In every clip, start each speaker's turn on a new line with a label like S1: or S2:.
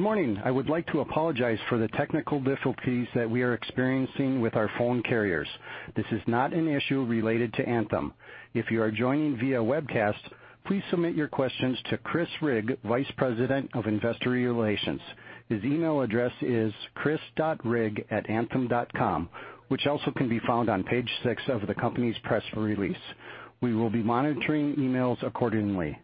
S1: Good morning. I would like to apologize for the technical difficulties that we are experiencing with our phone carriers. This is not an issue related to Anthem. If you are joining via webcast, please submit your questions to Chris Rigg, Vice President of Investor Relations. His email address is chris.rigg@anthem.com, which also can be found on page six of the company's press release. We will be monitoring emails accordingly.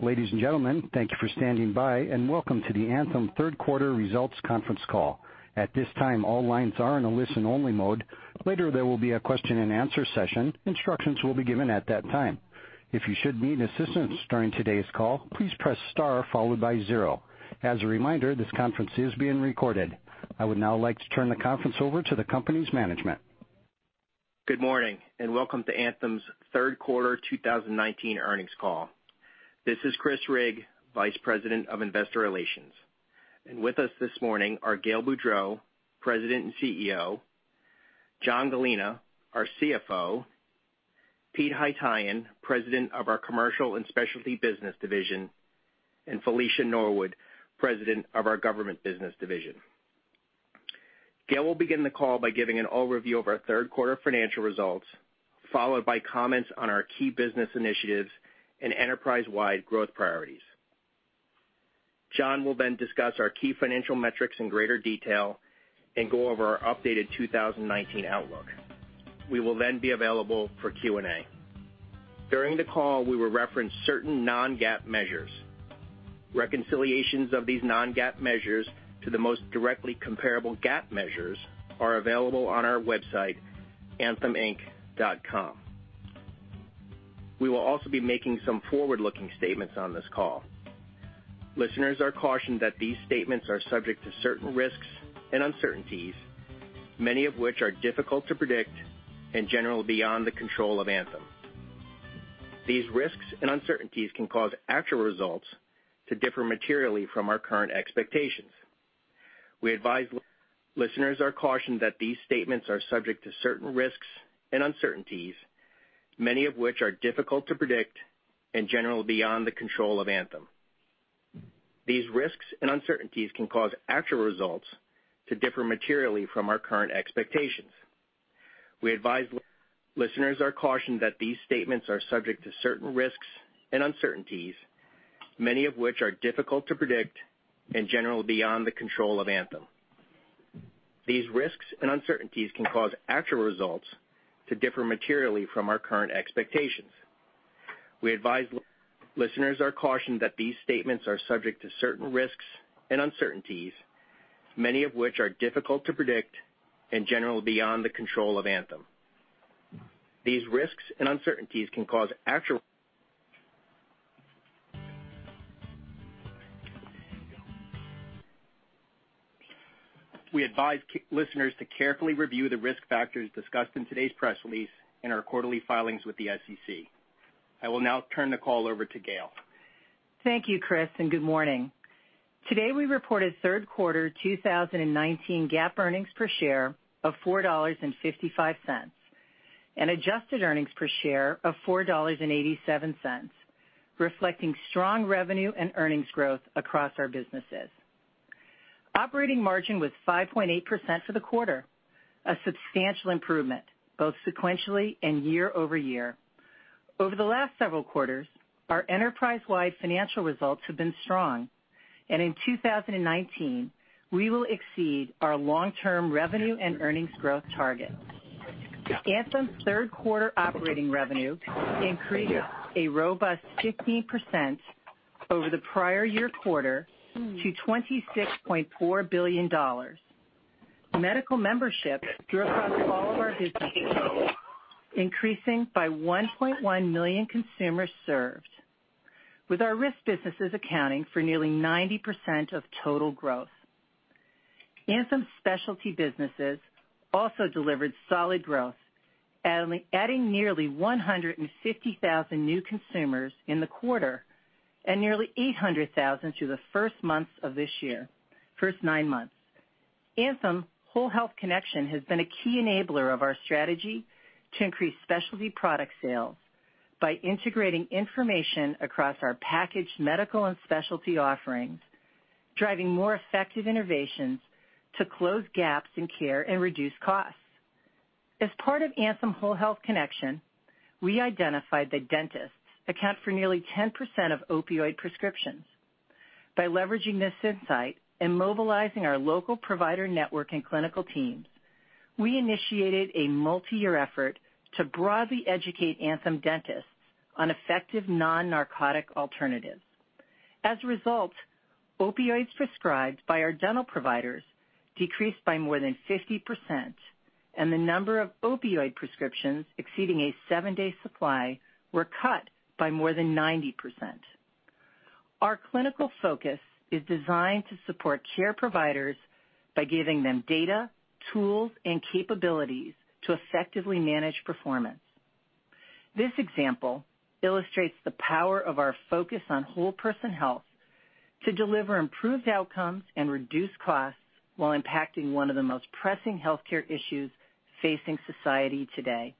S1: Ladies and gentlemen, thank you for standing by, and welcome to the Anthem Third Quarter Results Conference Call. At this time, all lines are in a listen-only mode. Later, there will be a question and answer session. Instructions will be given at that time. If you should need assistance during today's call, please press star followed by zero. As a reminder, this conference is being recorded. I would now like to turn the conference over to the company's management.
S2: Good morning, welcome to Anthem's Third Quarter 2019 Earnings Call. This is Chris Rigg, Vice President of Investor Relations. With us this morning are Gail Boudreaux, President and CEO, John Gallina, our CFO, Pete Haytaian, President of our Commercial and Specialty Business Division, and Felicia Norwood, President of our Government Business Division. Gail will begin the call by giving an overview of our third quarter financial results, followed by comments on our key business initiatives and enterprise-wide growth priorities. John will discuss our key financial metrics in greater detail and go over our updated 2019 outlook. We will be available for Q&A. During the call, we will reference certain non-GAAP measures. Reconciliations of these non-GAAP measures to the most directly comparable GAAP measures are available on our website, antheminc.com. We will also be making some forward-looking statements on this call. Listeners are cautioned that these statements are subject to certain risks and uncertainties, many of which are difficult to predict and generally beyond the control of Anthem. These risks and uncertainties can cause actual results to differ materially from our current expectations. We advise listeners are cautioned that these statements are subject to certain risks and uncertainties, many of which are difficult to predict and generally beyond the control of Anthem. These risks and uncertainties can cause actual results to differ materially from our current expectations. We advise listeners are cautioned that these statements are subject to certain risks and uncertainties, many of which are difficult to predict and generally beyond the control of Anthem. We advise listeners to carefully review the risk factors discussed in today's press release and our quarterly filings with the SEC. I will now turn the call over to Gail.
S3: Thank you, Chris, and good morning. Today we reported third quarter 2019 GAAP earnings per share of $4.55 and adjusted earnings per share of $4.87, reflecting strong revenue and earnings growth across our businesses. Operating margin was 5.8% for the quarter, a substantial improvement both sequentially and year-over-year. Over the last several quarters, our enterprise-wide financial results have been strong, and in 2019, we will exceed our long-term revenue and earnings growth targets. Anthem's third quarter operating revenue increased a robust 15% over the prior year quarter to $26.4 billion. Medical membership grew across all of our businesses, increasing by 1.1 million consumers served, with our risk businesses accounting for nearly 90% of total growth. Anthem Specialty businesses also delivered solid growth, adding nearly 150,000 new consumers in the quarter and nearly 800,000 through the first nine months of this year. Anthem Whole Health Connection has been a key enabler of our strategy to increase specialty product sales by integrating information across our packaged medical and specialty offerings, driving more effective innovations to close gaps in care and reduce costs. As part of Anthem Whole Health Connection, we identified that dentists account for nearly 10% of opioid prescriptions. By leveraging this insight and mobilizing our local provider network and clinical teams, we initiated a multi-year effort to broadly educate Anthem dentists on effective non-narcotic alternatives. As a result, opioids prescribed by our dental providers decreased by more than 50%, and the number of opioid prescriptions exceeding a seven-day supply were cut by more than 90%. Our clinical focus is designed to support care providers by giving them data, tools, and capabilities to effectively manage performance. This example illustrates the power of our focus on whole person health to deliver improved outcomes and reduce costs while impacting one of the most pressing healthcare issues facing society today.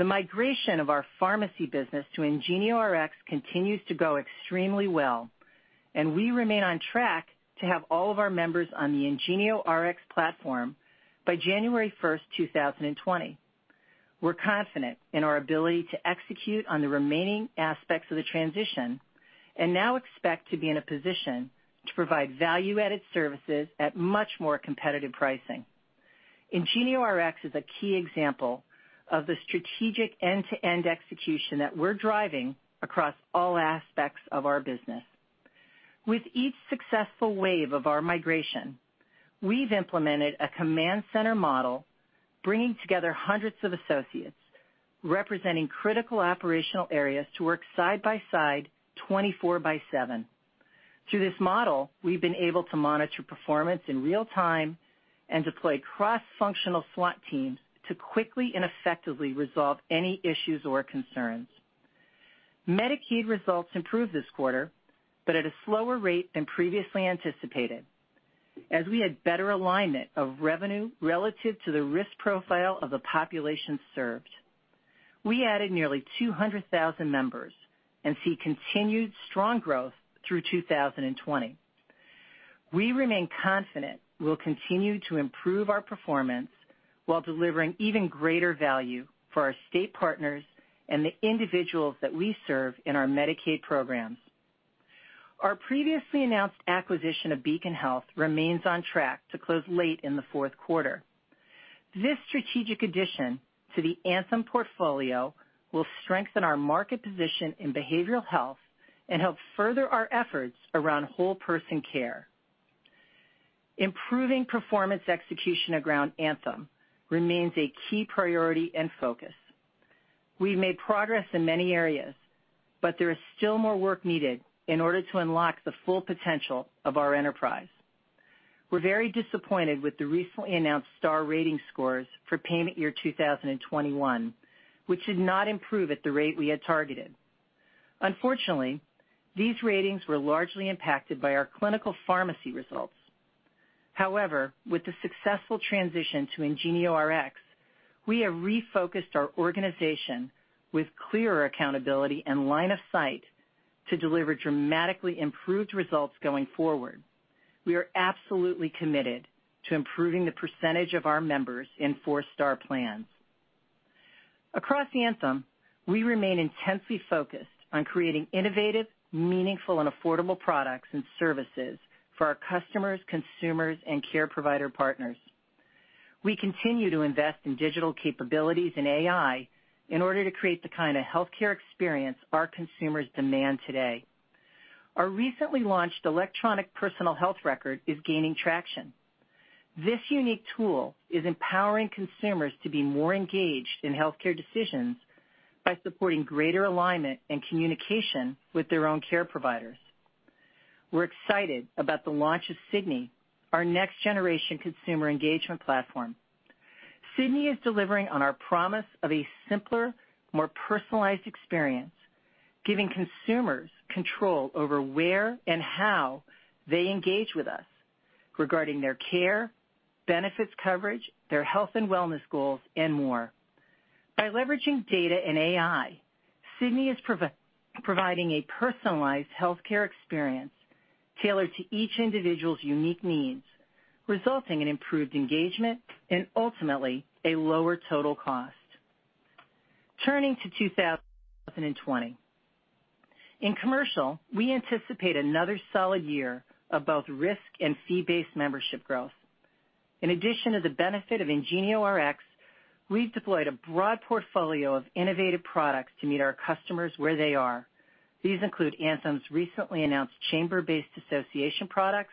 S3: The migration of our pharmacy business to IngenioRx continues to go extremely well, and we remain on track to have all of our members on the IngenioRx platform by January 1st, 2020. We're confident in our ability to execute on the remaining aspects of the transition and now expect to be in a position to provide value-added services at much more competitive pricing. IngenioRx is a key example of the strategic end-to-end execution that we're driving across all aspects of our business. With each successful wave of our migration, we've implemented a command center model, bringing together hundreds of associates, representing critical operational areas to work side by side, 24 by seven. Through this model, we've been able to monitor performance in real time and deploy cross-functional SWAT teams to quickly and effectively resolve any issues or concerns. Medicaid results improved this quarter, but at a slower rate than previously anticipated, as we had better alignment of revenue relative to the risk profile of the population served. We added nearly 200,000 members and see continued strong growth through 2020. We remain confident we'll continue to improve our performance while delivering even greater value for our state partners and the individuals that we serve in our Medicaid programs. Our previously announced acquisition of Beacon Health remains on track to close late in the fourth quarter. This strategic addition to the Anthem portfolio will strengthen our market position in behavioral health and help further our efforts around whole person care. Improving performance execution around Anthem remains a key priority and focus. We've made progress in many areas, but there is still more work needed in order to unlock the full potential of our enterprise. We're very disappointed with the recently announced star rating scores for payment year 2021, which did not improve at the rate we had targeted. Unfortunately, these ratings were largely impacted by our clinical pharmacy results. However, with the successful transition to IngenioRx, we have refocused our organization with clearer accountability and line of sight to deliver dramatically improved results going forward. We are absolutely committed to improving the percentage of our members in 4-star plans. Across Anthem, we remain intensely focused on creating innovative, meaningful and affordable products and services for our customers, consumers, and care provider partners. We continue to invest in digital capabilities and AI in order to create the kind of healthcare experience our consumers demand today. Our recently launched electronic personal health record is gaining traction. This unique tool is empowering consumers to be more engaged in healthcare decisions by supporting greater alignment and communication with their own care providers. We're excited about the launch of Sydney, our next generation consumer engagement platform. Sydney is delivering on our promise of a simpler, more personalized experience, giving consumers control over where and how they engage with us regarding their care, benefits coverage, their health and wellness goals, and more. By leveraging data and AI, Sydney is providing a personalized healthcare experience tailored to each individual's unique needs, resulting in improved engagement and ultimately a lower total cost. Turning to 2020. In commercial, we anticipate another solid year of both risk and fee-based membership growth. In addition to the benefit of IngenioRx, we've deployed a broad portfolio of innovative products to meet our customers where they are. These include Anthem's recently announced chamber-based association products,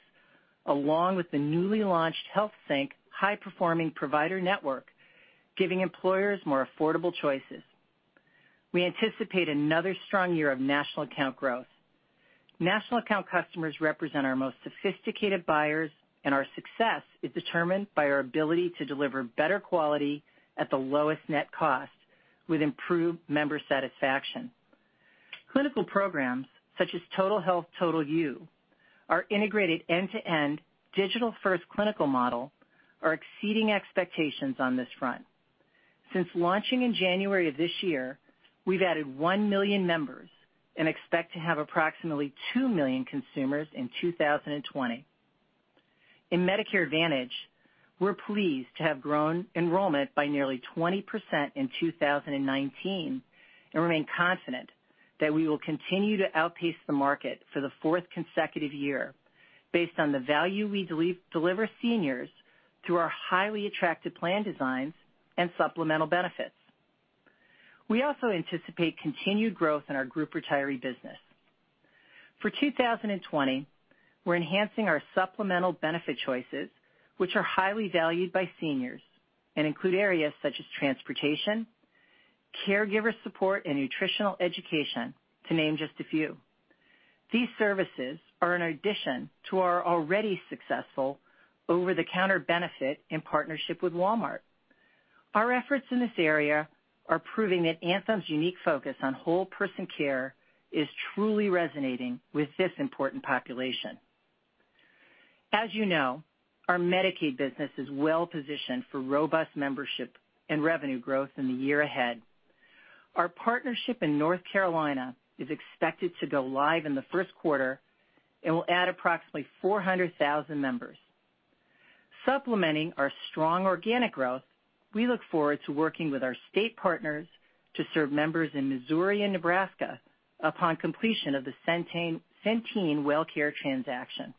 S3: along with the newly launched HealthSync high performing provider network, giving employers more affordable choices. We anticipate another strong year of national account growth. National account customers represent our most sophisticated buyers, and our success is determined by our ability to deliver better quality at the lowest net cost with improved member satisfaction. Clinical programs such as Total Health Total You, our integrated end-to-end digital first clinical model are exceeding expectations on this front. Since launching in January of this year, we've added 1 million members and expect to have approximately 2 million consumers in 2020. In Medicare Advantage, we're pleased to have grown enrollment by nearly 20% in 2019 and remain confident that we will continue to outpace the market for the fourth consecutive year based on the value we deliver seniors through our highly attractive plan designs and supplemental benefits. We also anticipate continued growth in our group retiree business. For 2020, we're enhancing our supplemental benefit choices, which are highly valued by seniors and include areas such as transportation, caregiver support, and nutritional education, to name just a few. These services are an addition to our already successful over-the-counter benefit in partnership with Walmart. Our efforts in this area are proving that Anthem's unique focus on whole person care is truly resonating with this important population. As you know, our Medicaid business is well-positioned for robust membership and revenue growth in the year ahead. Our partnership in North Carolina is expected to go live in the first quarter and will add approximately 400,000 members. Supplementing our strong organic growth, we look forward to working with our state partners to serve members in Missouri and Nebraska upon completion of the Centene WellCare transaction.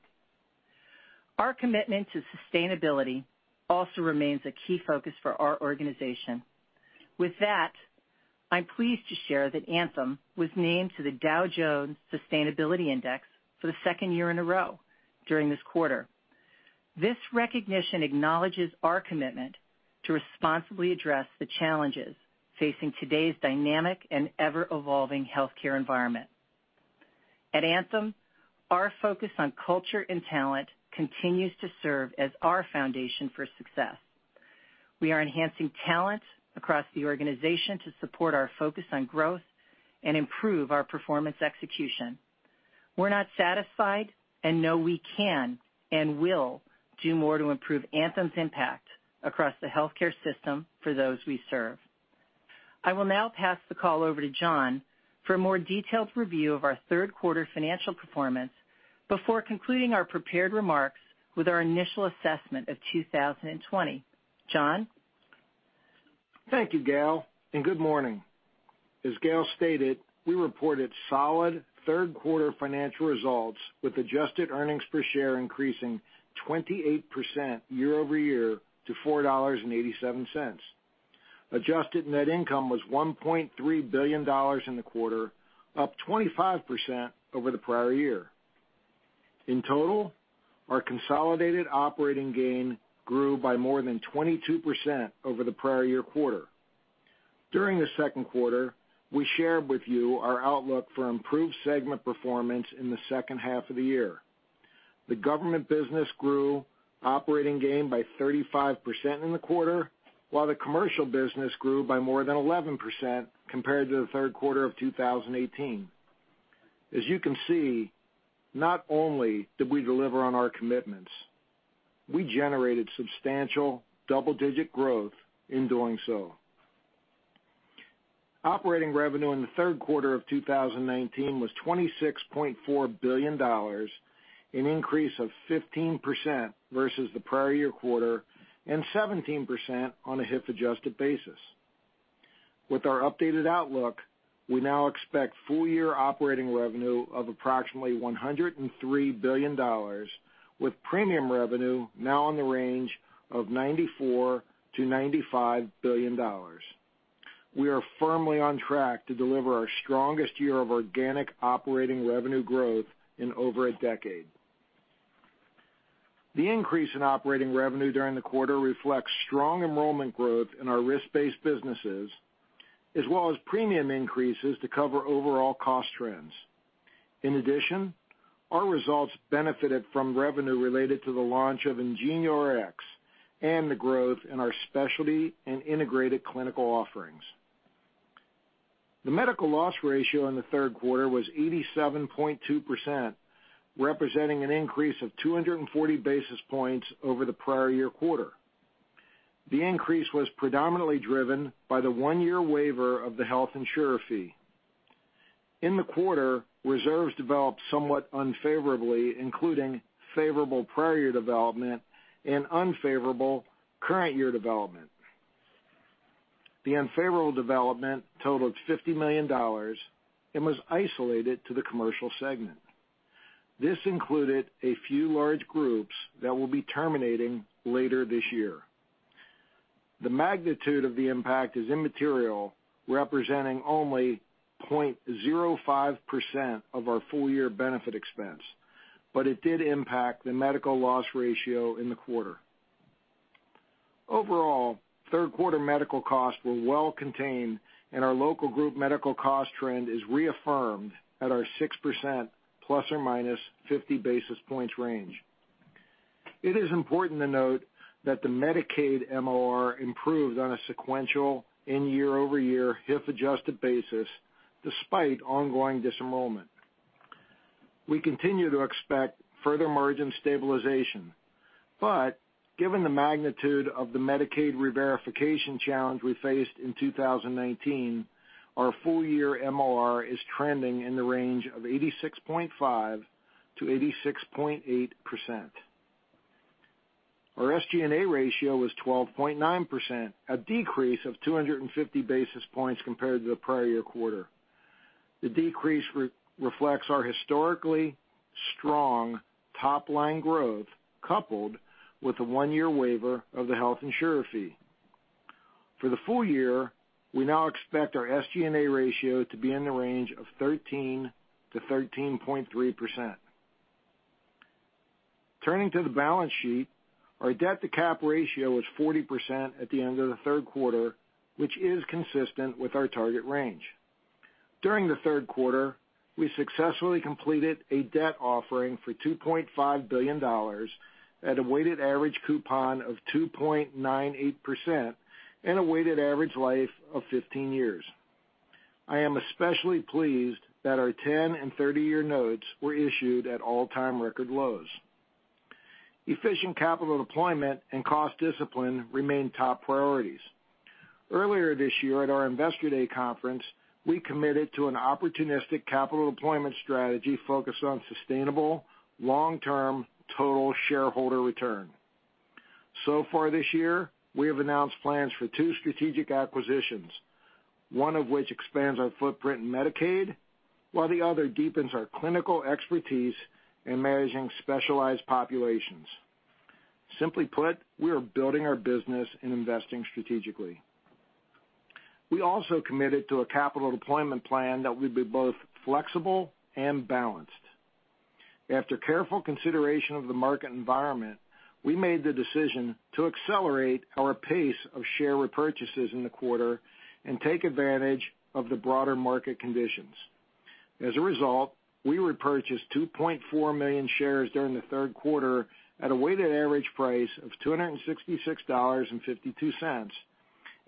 S3: Our commitment to sustainability also remains a key focus for our organization. With that, I'm pleased to share that Anthem was named to the Dow Jones Sustainability Index for the second year in a row during this quarter. This recognition acknowledges our commitment to responsibly address the challenges facing today's dynamic and ever-evolving healthcare environment. At Anthem, our focus on culture and talent continues to serve as our foundation for success. We are enhancing talent across the organization to support our focus on growth and improve our performance execution. We're not satisfied and know we can and will do more to improve Anthem's impact across the healthcare system for those we serve. I will now pass the call over to John for a more detailed review of our third quarter financial performance before concluding our prepared remarks with our initial assessment of 2020. John?
S4: Thank you, Gail, and good morning. As Gail stated, we reported solid third-quarter financial results with adjusted earnings per share increasing 28% year-over-year to $4.87. Adjusted net income was $1.3 billion in the quarter, up 25% over the prior year. In total, our consolidated operating gain grew by more than 22% over the prior year quarter. During the second quarter, we shared with you our outlook for improved segment performance in the second half of the year. The Government Business grew operating gain by 35% in the quarter, while the Commercial Business grew by more than 11% compared to the third quarter of 2018. As you can see, not only did we deliver on our commitments, we generated substantial double-digit growth in doing so. Operating revenue in the third quarter of 2019 was $26.4 billion, an increase of 15% versus the prior year quarter, and 17% on a HIF adjusted basis. With our updated outlook, we now expect full year operating revenue of approximately $103 billion with premium revenue now in the range of $94 billion-$95 billion. We are firmly on track to deliver our strongest year of organic operating revenue growth in over a decade. The increase in operating revenue during the quarter reflects strong enrollment growth in our risk-based businesses, as well as premium increases to cover overall cost trends. In addition, our results benefited from revenue related to the launch of IngenioRx and the growth in our specialty and integrated clinical offerings. The medical loss ratio in the third quarter was 87.2%, representing an increase of 240 basis points over the prior year quarter. The increase was predominantly driven by the one-year waiver of the health insurer fee. In the quarter, reserves developed somewhat unfavorably, including favorable prior year development and unfavorable current year development. The unfavorable development totaled $50 million and was isolated to the commercial segment. This included a few large groups that will be terminating later this year. The magnitude of the impact is immaterial, representing only 0.05% of our full-year benefit expense, but it did impact the medical loss ratio in the quarter. Overall, third quarter medical costs were well contained, and our local group medical cost trend is reaffirmed at our 6% ± 50 basis points range. It is important to note that the Medicaid MOR improved on a sequential and year-over-year HIF adjusted basis despite ongoing disenrollment. We continue to expect further margin stabilization, given the magnitude of the Medicaid reverification challenge we faced in 2019, our full year MOR is trending in the range of 86.5%-86.8%. Our SG&A ratio was 12.9%, a decrease of 250 basis points compared to the prior year quarter. The decrease reflects our historically strong top-line growth, coupled with a one-year waiver of the health insurer fee. For the full year, we now expect our SG&A ratio to be in the range of 13%-13.3%. Turning to the balance sheet, our debt to cap ratio was 40% at the end of the third quarter, which is consistent with our target range. During the third quarter, we successfully completed a debt offering for $2.5 billion at a weighted average coupon of 2.98% and a weighted average life of 15 years. I am especially pleased that our 10 and 30-year notes were issued at all-time record lows. Efficient capital deployment and cost discipline remain top priorities. Earlier this year at our Investor Day conference, we committed to an opportunistic capital deployment strategy focused on sustainable long-term total shareholder return. Far this year, we have announced plans for two strategic acquisitions, one of which expands our footprint in Medicaid, while the other deepens our clinical expertise in managing specialized populations. Simply put, we are building our business and investing strategically. We also committed to a capital deployment plan that would be both flexible and balanced. After careful consideration of the market environment, we made the decision to accelerate our pace of share repurchases in the quarter and take advantage of the broader market conditions. As a result, we repurchased 2.4 million shares during the third quarter at a weighted average price of $266.52,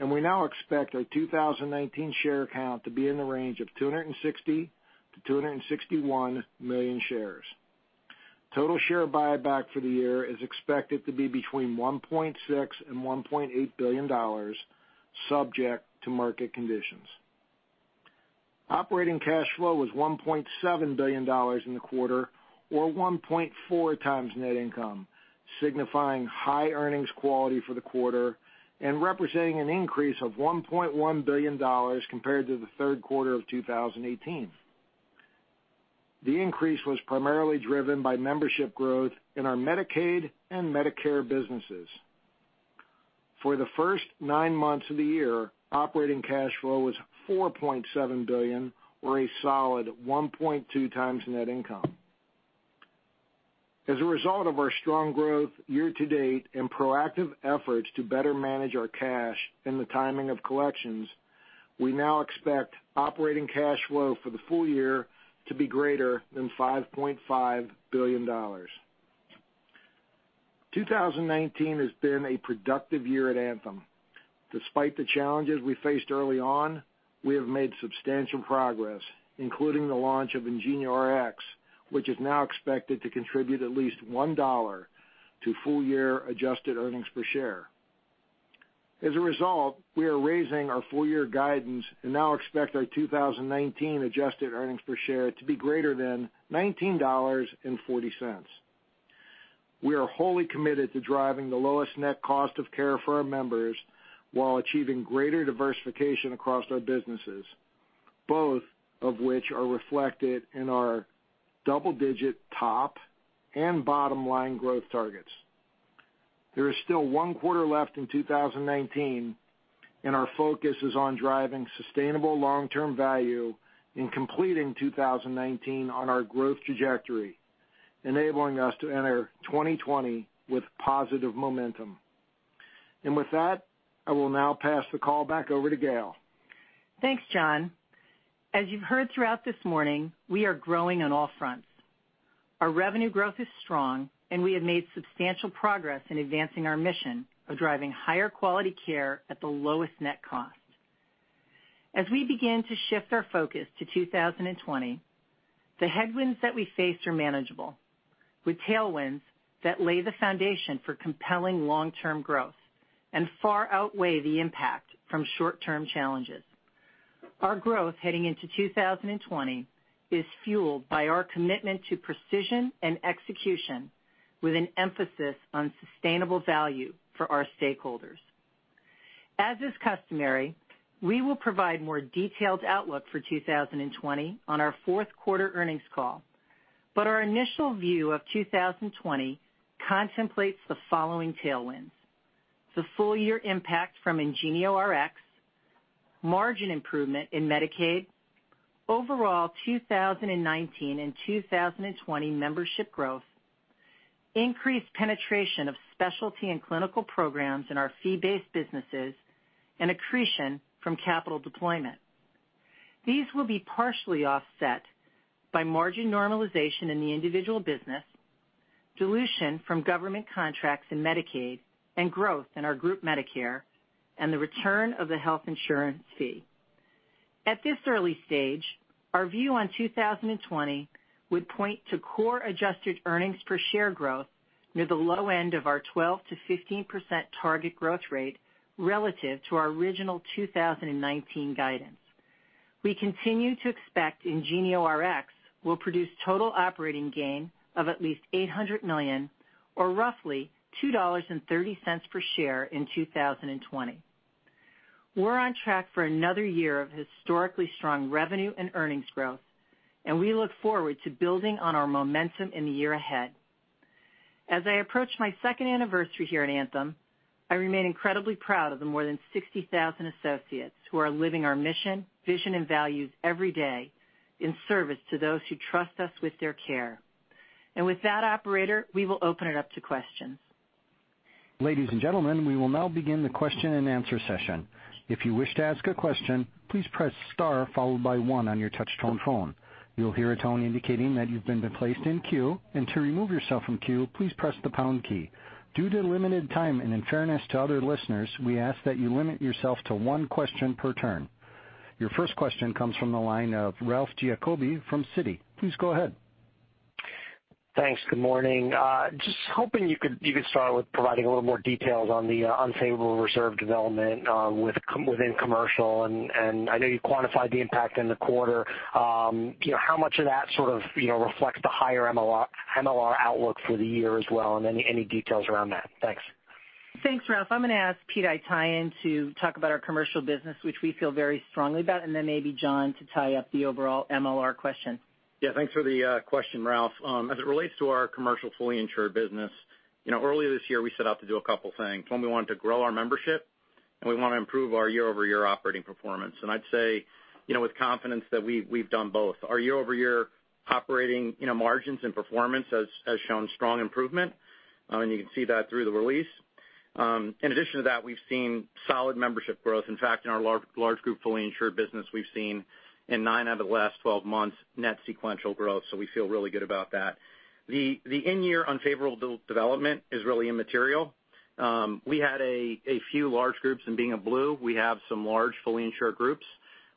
S4: and we now expect our 2019 share count to be in the range of 260 million-261 million shares. Total share buyback for the year is expected to be between $1.6 billion and $1.8 billion, subject to market conditions. Operating cash flow was $1.7 billion in the quarter or 1.4 times net income, signifying high earnings quality for the quarter and representing an increase of $1.1 billion compared to the third quarter of 2018. The increase was primarily driven by membership growth in our Medicaid and Medicare businesses. For the first nine months of the year, operating cash flow was $4.7 billion, or a solid 1.2 times net income. As a result of our strong growth year to date and proactive efforts to better manage our cash and the timing of collections, we now expect operating cash flow for the full year to be greater than $5.5 billion. 2019 has been a productive year at Anthem. Despite the challenges we faced early on, we have made substantial progress, including the launch of IngenioRx, which is now expected to contribute at least $1 to full year adjusted earnings per share. As a result, we are raising our full year guidance and now expect our 2019 adjusted earnings per share to be greater than $19.40. We are wholly committed to driving the lowest net cost of care for our members while achieving greater diversification across our businesses, both of which are reflected in our double-digit top and bottom-line growth targets. There is still one quarter left in 2019, our focus is on driving sustainable long-term value in completing 2019 on our growth trajectory, enabling us to enter 2020 with positive momentum. With that, I will now pass the call back over to Gail.
S3: Thanks, John. As you've heard throughout this morning, we are growing on all fronts. Our revenue growth is strong. We have made substantial progress in advancing our mission of driving higher quality care at the lowest net cost. As we begin to shift our focus to 2020, the headwinds that we face are manageable, with tailwinds that lay the foundation for compelling long-term growth and far outweigh the impact from short-term challenges. Our growth heading into 2020 is fueled by our commitment to precision and execution with an emphasis on sustainable value for our stakeholders. As is customary, we will provide more detailed outlook for 2020 on our fourth quarter earnings call. Our initial view of 2020 contemplates the following tailwinds. The full year impact from IngenioRx, margin improvement in Medicaid, overall 2019 and 2020 membership growth, increased penetration of specialty and clinical programs in our fee-based businesses, and accretion from capital deployment. These will be partially offset by margin normalization in the individual business, dilution from government contracts in Medicaid and growth in our Group Medicare, and the return of the health insurer fee. At this early stage, our view on 2020 would point to core adjusted earnings per share growth near the low end of our 12%-15% target growth rate relative to our original 2019 guidance. We continue to expect IngenioRx will produce total operating gain of at least $800 million or roughly $2.30 per share in 2020. We're on track for another year of historically strong revenue and earnings growth. We look forward to building on our momentum in the year ahead. As I approach my second anniversary here at Anthem, I remain incredibly proud of the more than 60,000 associates who are living our mission, vision, and values every day in service to those who trust us with their care. With that operator, we will open it up to questions.
S1: Ladies and gentlemen, we will now begin the question and answer session. If you wish to ask a question, please press star followed by one on your touch-tone phone. You'll hear a tone indicating that you've been placed in queue, and to remove yourself from queue, please press the pound key. Due to limited time and in fairness to other listeners, we ask that you limit yourself to one question per turn. Your first question comes from the line of Ralph Giacobbe from Citi. Please go ahead.
S5: Thanks. Good morning. Just hoping you could start with providing a little more details on the unfavorable reserve development within commercial. I know you quantified the impact in the quarter. How much of that sort of reflects the higher MLR outlook for the year as well? Any details around that? Thanks.
S3: Thanks, Ralph. I'm going to ask Pete Haytaian to talk about our commercial business, which we feel very strongly about, and then maybe John to tie up the overall MLR question.
S6: Thanks for the question, Ralph. As it relates to our commercial fully insured business, early this year we set out to do a couple things. One, we wanted to grow our membership, we want to improve our year-over-year operating performance. I'd say with confidence that we've done both. Our year-over-year operating margins and performance has shown strong improvement, you can see that through the release. In addition to that, we've seen solid membership growth. In fact, in our large group fully insured business, we've seen in nine out of the last 12 months, net sequential growth, we feel really good about that. The in-year unfavorable development is really immaterial. We had a few large groups. Being a Blue, we have some large fully insured groups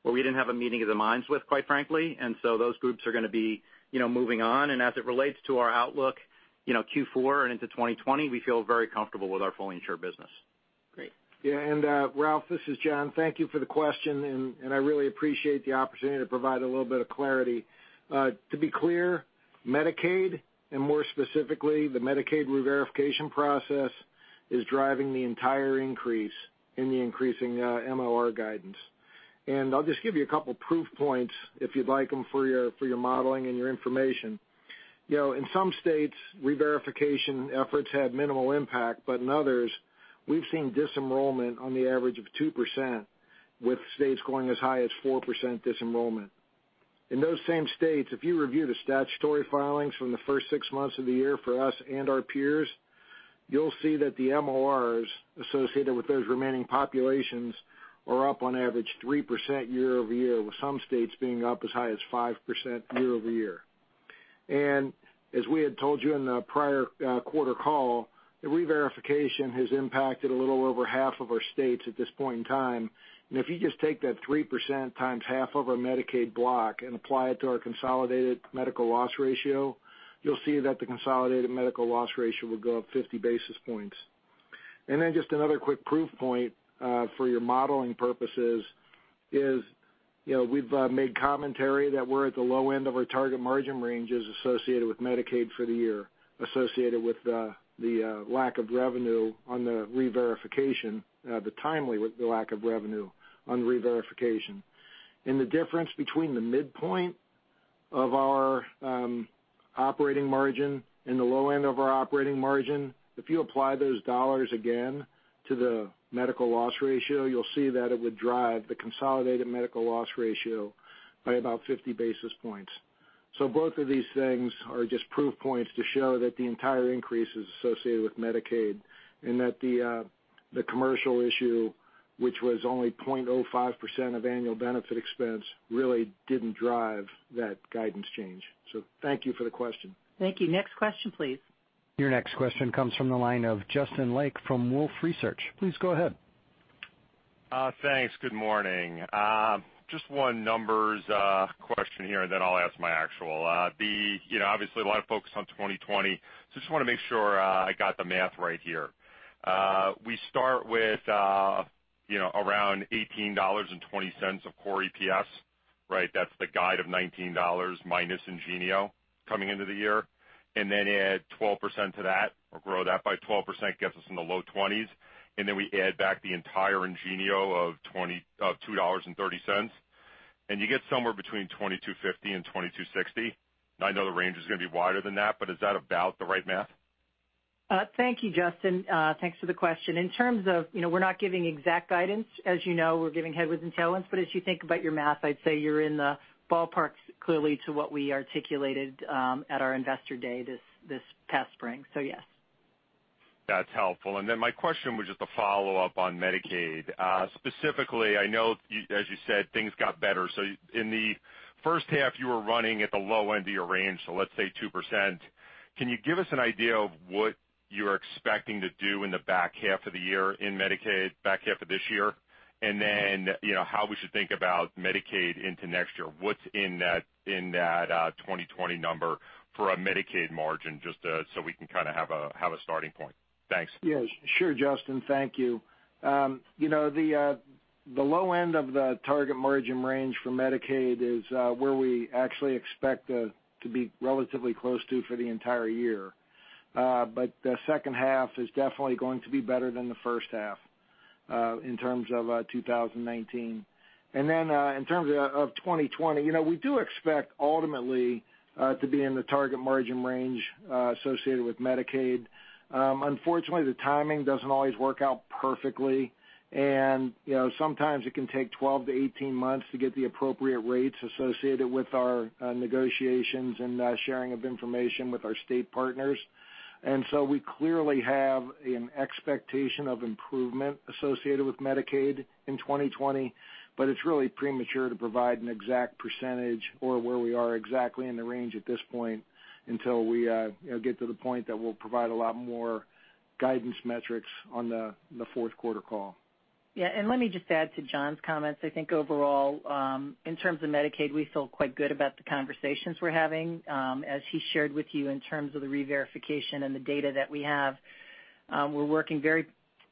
S6: where we didn't have a meeting of the minds with, quite frankly. Those groups are going to be moving on. As it relates to our outlook, Q4 and into 2020, we feel very comfortable with our fully insured business.
S5: Great.
S4: Yeah. Ralph, this is John. Thank you for the question, and I really appreciate the opportunity to provide a little bit of clarity. To be clear, Medicaid, and more specifically, the Medicaid reverification process, is driving the entire increase in the increasing MLR guidance. I'll just give you a couple proof points if you'd like them for your modeling and your information. In some states, reverification efforts had minimal impact, but in others, we've seen disenrollment on the average of 2%, with states going as high as 4% disenrollment. In those same states, if you review the statutory filings from the first 6 months of the year for us and our peers, you'll see that the MLRs associated with those remaining populations are up on average 3% year-over-year, with some states being up as high as 5% year-over-year. As we had told you in the prior quarter call, the reverification has impacted a little over half of our states at this point in time. If you just take that 3% times half of our Medicaid block and apply it to our consolidated medical loss ratio, you'll see that the consolidated medical loss ratio will go up 50 basis points. Then just another quick proof point for your modeling purposes is, we've made commentary that we're at the low end of our target margin ranges associated with Medicaid for the year, associated with the lack of revenue on the reverification, the timely lack of revenue on reverification. The difference between the midpoint of our operating margin and the low end of our operating margin, if you apply those dollars again to the medical loss ratio, you'll see that it would drive the consolidated medical loss ratio by about 50 basis points. Both of these things are just proof points to show that the entire increase is associated with Medicaid, and that the commercial issue, which was only 0.05% of annual benefit expense, really didn't drive that guidance change. Thank you for the question.
S3: Thank you. Next question, please.
S1: Your next question comes from the line of Justin Lake from Wolfe Research. Please go ahead.
S7: Thanks. Good morning. Just one numbers question here, then I'll ask my actual. Obviously, a lot of focus on 2020. Just want to make sure I got the math right here. We start with around $18.20 of core EPS, right? That's the guide of $19 minus IngenioRx coming into the year. Then add 12% to that, or grow that by 12%, gets us in the low 20s. Then we add back the entire IngenioRx of $2.30, and you get somewhere between $22.50 and $22.60. I know the range is going to be wider than that, but is that about the right math?
S3: Thank you, Justin. Thanks for the question. In terms of, we're not giving exact guidance. As you know, we're giving headwinds and tailwinds, but as you think about your math, I'd say you're in the ballpark, clearly, to what we articulated at our Investor Day this past spring. Yes.
S7: That's helpful. My question was just a follow-up on Medicaid. Specifically, I know, as you said, things got better. In the first half, you were running at the low end of your range, so let's say 2%. Can you give us an idea of what you're expecting to do in the back half of the year in Medicaid, back half of this year? How we should think about Medicaid into next year. What's in that 2020 number for a Medicaid margin, just so we can kind of have a starting point? Thanks.
S4: Yeah. Sure, Justin. Thank you. The low end of the target margin range for Medicaid is where we actually expect to be relatively close to for the entire year. The second half is definitely going to be better than the first half in terms of 2019. In terms of 2020, we do expect ultimately to be in the target margin range associated with Medicaid. Unfortunately, the timing doesn't always work out perfectly, and sometimes it can take 12-18 months to get the appropriate rates associated with our negotiations and sharing of information with our state partners. We clearly have an expectation of improvement associated with Medicaid in 2020, but it's really premature to provide an exact % or where we are exactly in the range at this point until we get to the point that we'll provide a lot more guidance metrics on the fourth quarter call.
S3: Yeah, let me just add to John's comments. I think overall, in terms of Medicaid, we feel quite good about the conversations we're having. As he shared with you in terms of the reverification and the data that we have, we're working very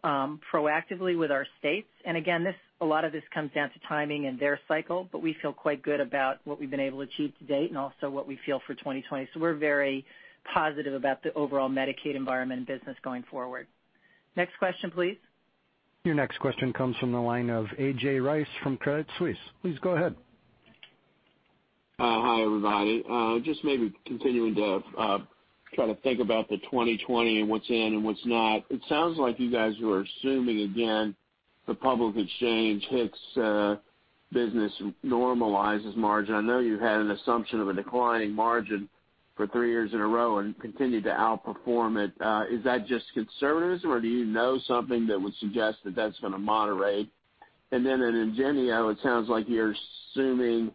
S3: proactively with our states. Again, a lot of this comes down to timing and their cycle, we feel quite good about what we've been able to achieve to date and also what we feel for 2020. We're very positive about the overall Medicaid environment and business going forward. Next question, please.
S1: Your next question comes from the line of A.J. Rice from Credit Suisse. Please go ahead.
S8: Hi, everybody. Just maybe continuing to try to think about the 2020 and what's in and what's not. It sounds like you guys are assuming, again, the public exchange HIX business normalizes margin. I know you had an assumption of a declining margin for three years in a row and continued to outperform it. Is that just conservatism, or do you know something that would suggest that that's going to moderate? At IngenioRx, it sounds like you're assuming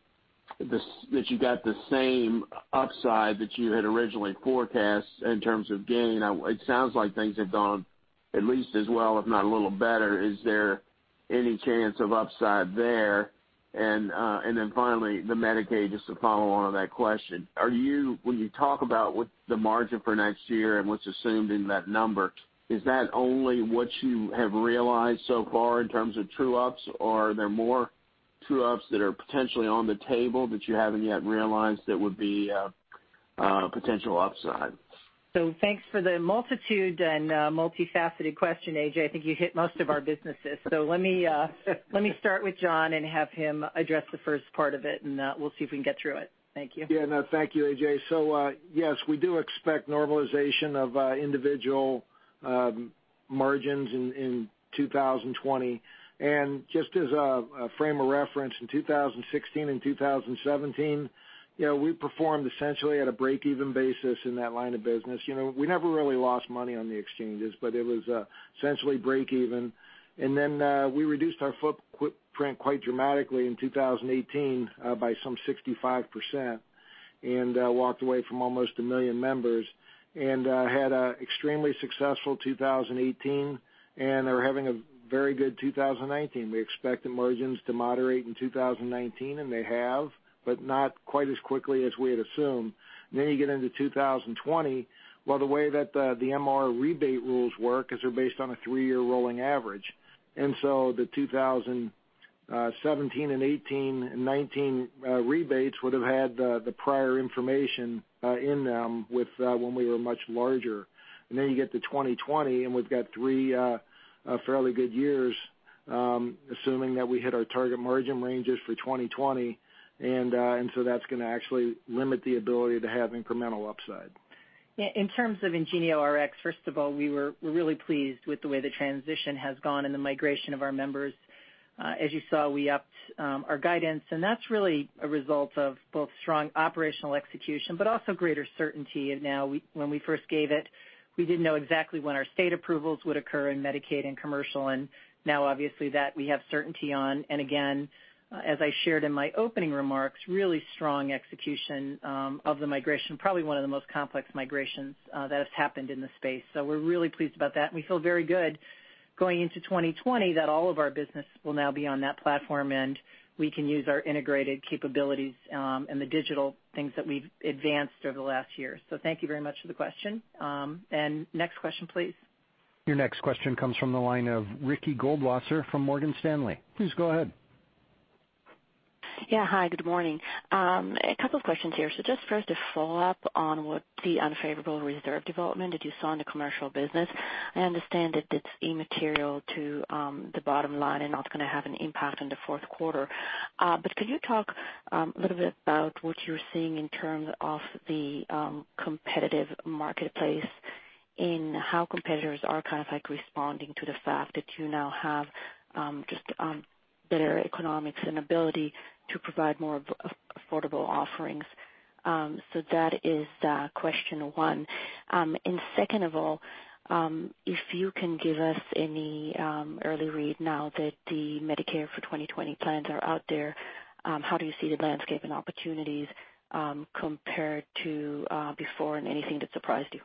S8: that you got the same upside that you had originally forecast in terms of gain. It sounds like things have gone at least as well, if not a little better. Is there any chance of upside there? Finally, the Medicaid, just to follow on that question. When you talk about what the margin for next year and what's assumed in that number, is that only what you have realized so far in terms of true-ups, or are there more true-ups that are potentially on the table that you haven't yet realized that would be a potential upside?
S3: Thanks for the multitude and multifaceted question, A.J. I think you hit most of our businesses. Let me start with John and have him address the first part of it, and we'll see if we can get through it. Thank you.
S4: Yeah. No, thank you, A.J. Yes, we do expect normalization of individual margins in 2020. Just as a frame of reference, in 2016 and 2017, we performed essentially at a break-even basis in that line of business. We never really lost money on the exchanges, but it was essentially break even. Then we reduced our footprint quite dramatically in 2018 by some 65%, and walked away from almost a million members, and had a extremely successful 2018 and are having a very good 2019. We expected margins to moderate in 2019, and they have, but not quite as quickly as we had assumed. You get into 2020. The way that the MLR rebate rules work is they're based on a three-year rolling average. The 2017 and 2018 and 2019 rebates would have had the prior information in them with when we were much larger. Then you get to 2020, and we've got three fairly good years, assuming that we hit our target margin ranges for 2020. That's going to actually limit the ability to have incremental upside.
S3: Yeah. In terms of IngenioRx, first of all, we're really pleased with the way the transition has gone and the migration of our members. As you saw, we upped our guidance, that's really a result of both strong operational execution, but also greater certainty. Now, when we first gave it, we didn't know exactly when our state approvals would occur in Medicaid and Commercial, and now obviously that we have certainty on. Again, as I shared in my opening remarks, really strong execution of the migration, probably one of the most complex migrations that has happened in the space. We're really pleased about that, and we feel very good going into 2020 that all of our business will now be on that platform, and we can use our integrated capabilities and the digital things that we've advanced over the last year. Thank you very much for the question. Next question, please.
S1: Your next question comes from the line of Ricky Goldwasser from Morgan Stanley. Please go ahead.
S9: Yeah. Hi, good morning. A couple of questions here. Just first a follow-up on what the unfavorable reserve development that you saw in the commercial business. I understand that it's immaterial to the bottom line and not going to have an impact on the fourth quarter. Could you talk a little bit about what you're seeing in terms of the competitive marketplace and how competitors are kind of like responding to the fact that you now have just better economics and ability to provide more affordable offerings? That is question one. Second of all, if you can give us any early read now that the Medicare for 2020 plans are out there, how do you see the landscape and opportunities compared to before and anything that surprised you?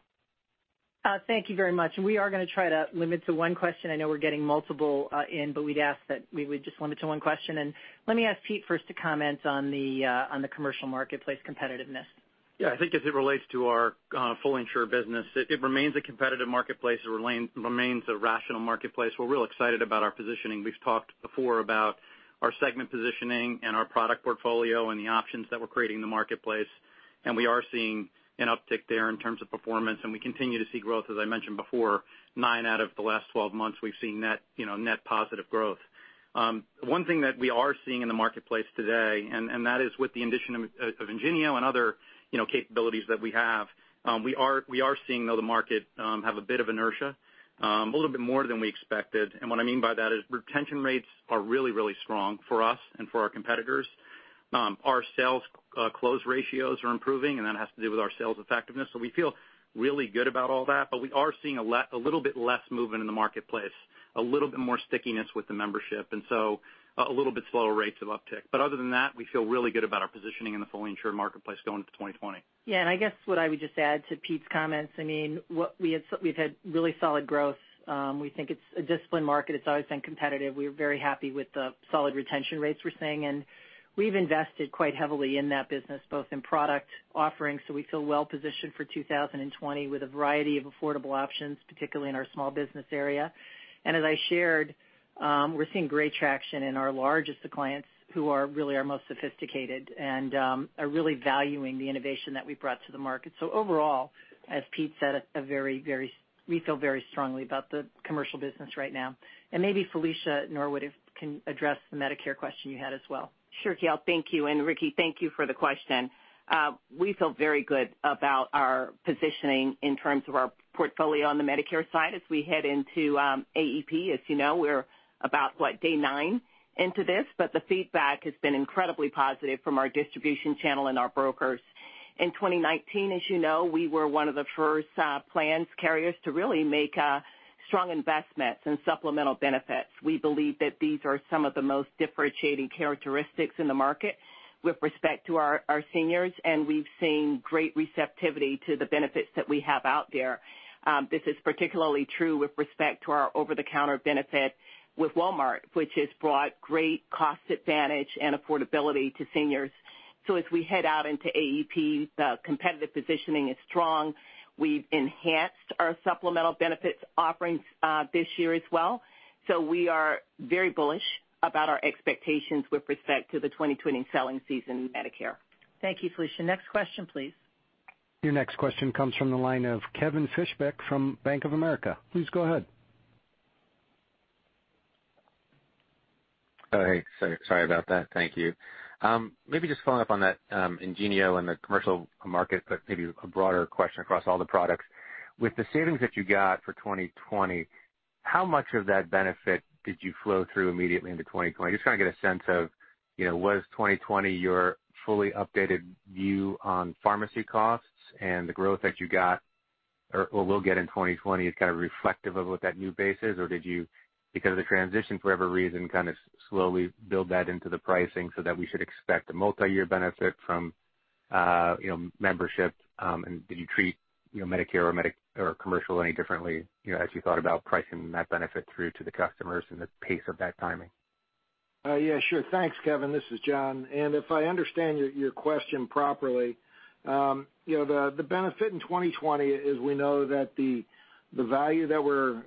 S3: Thank you very much. We are going to try to limit to one question. I know we're getting multiple in, we'd ask that we would just limit to one question. Let me ask Pete first to comment on the commercial marketplace competitiveness.
S6: Yeah, I think as it relates to our full insurer business, it remains a competitive marketplace. It remains a rational marketplace. We're real excited about our positioning. We've talked before about our segment positioning and our product portfolio and the options that we're creating in the marketplace. We are seeing an uptick there in terms of performance, and we continue to see growth, as I mentioned before. Nine out of the last 12 months, we've seen net positive growth. One thing that we are seeing in the marketplace today, that is with the addition of IngenioRx and other capabilities that we have, we are seeing the market have a bit of inertia, a little bit more than we expected. What I mean by that is retention rates are really strong for us and for our competitors. Our sales close ratios are improving. That has to do with our sales effectiveness. We feel really good about all that. We are seeing a little bit less movement in the marketplace, a little bit more stickiness with the membership. A little bit slower rates of uptick. Other than that, we feel really good about our positioning in the fully insured marketplace going into 2020.
S3: I guess what I would just add to Pete's comments, we've had really solid growth. We think it's a disciplined market. It's always been competitive. We're very happy with the solid retention rates we're seeing, and we've invested quite heavily in that business, both in product offerings, so we feel well-positioned for 2020 with a variety of affordable options, particularly in our small business area. As I shared, we're seeing great traction in our largest clients who are really our most sophisticated and are really valuing the innovation that we've brought to the market. Overall, as Pete said, we feel very strongly about the commercial business right now. Maybe Felicia Norwood can address the Medicare question you had as well.
S10: Sure, Gail. Thank you. Ricky, thank you for the question. We feel very good about our positioning in terms of our portfolio on the Medicare side as we head into AEP. As you know, we're about what, day 9 into this, the feedback has been incredibly positive from our distribution channel and our brokers. In 2019, as you know, we were one of the first plans carriers to really make strong investments in supplemental benefits. We believe that these are some of the most differentiating characteristics in the market with respect to our seniors, and we've seen great receptivity to the benefits that we have out there. This is particularly true with respect to our over-the-counter benefit with Walmart, which has brought great cost advantage and affordability to seniors. As we head out into AEP, the competitive positioning is strong. We've enhanced our supplemental benefits offerings this year as well. We are very bullish about our expectations with respect to the 2020 selling season in Medicare.
S3: Thank you, Felicia. Next question, please.
S1: Your next question comes from the line of Kevin Fischbeck from Bank of America. Please go ahead.
S11: Oh, hey, sorry about that. Thank you. Maybe just following up on that IngenioRx and the commercial market, maybe a broader question across all the products. With the savings that you got for 2020, how much of that benefit did you flow through immediately into 2020? I'm just trying to get a sense of, was 2020 your fully updated view on pharmacy costs and the growth that you got or will get in 2020 is kind of reflective of what that new base is? Did you, because of the transition for whatever reason, kind of slowly build that into the pricing so that we should expect a multi-year benefit from membership? Did you treat Medicare or commercial any differently as you thought about pricing that benefit through to the customers and the pace of that timing?
S4: Yeah, sure. Thanks, Kevin. This is John. If I understand your question properly, the benefit in 2020 is we know that the value that we're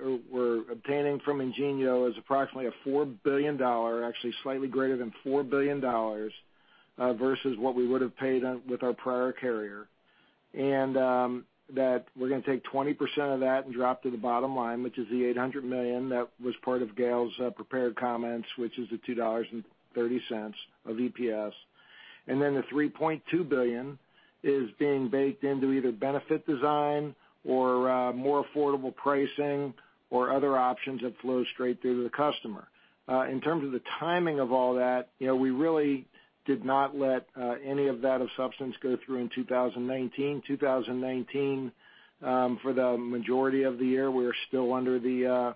S4: obtaining from IngenioRx is approximately a $4 billion, actually slightly greater than $4 billion, versus what we would have paid with our prior carrier. That we're going to take 20% of that and drop to the bottom line, which is the $800 million that was part of Gail's prepared comments, which is the $2.30 of EPS. The $3.2 billion is being baked into either benefit design or more affordable pricing or other options that flow straight through to the customer. In terms of the timing of all that, we really did not let any of that of substance go through in 2019. 2019, for the majority of the year, we are still under the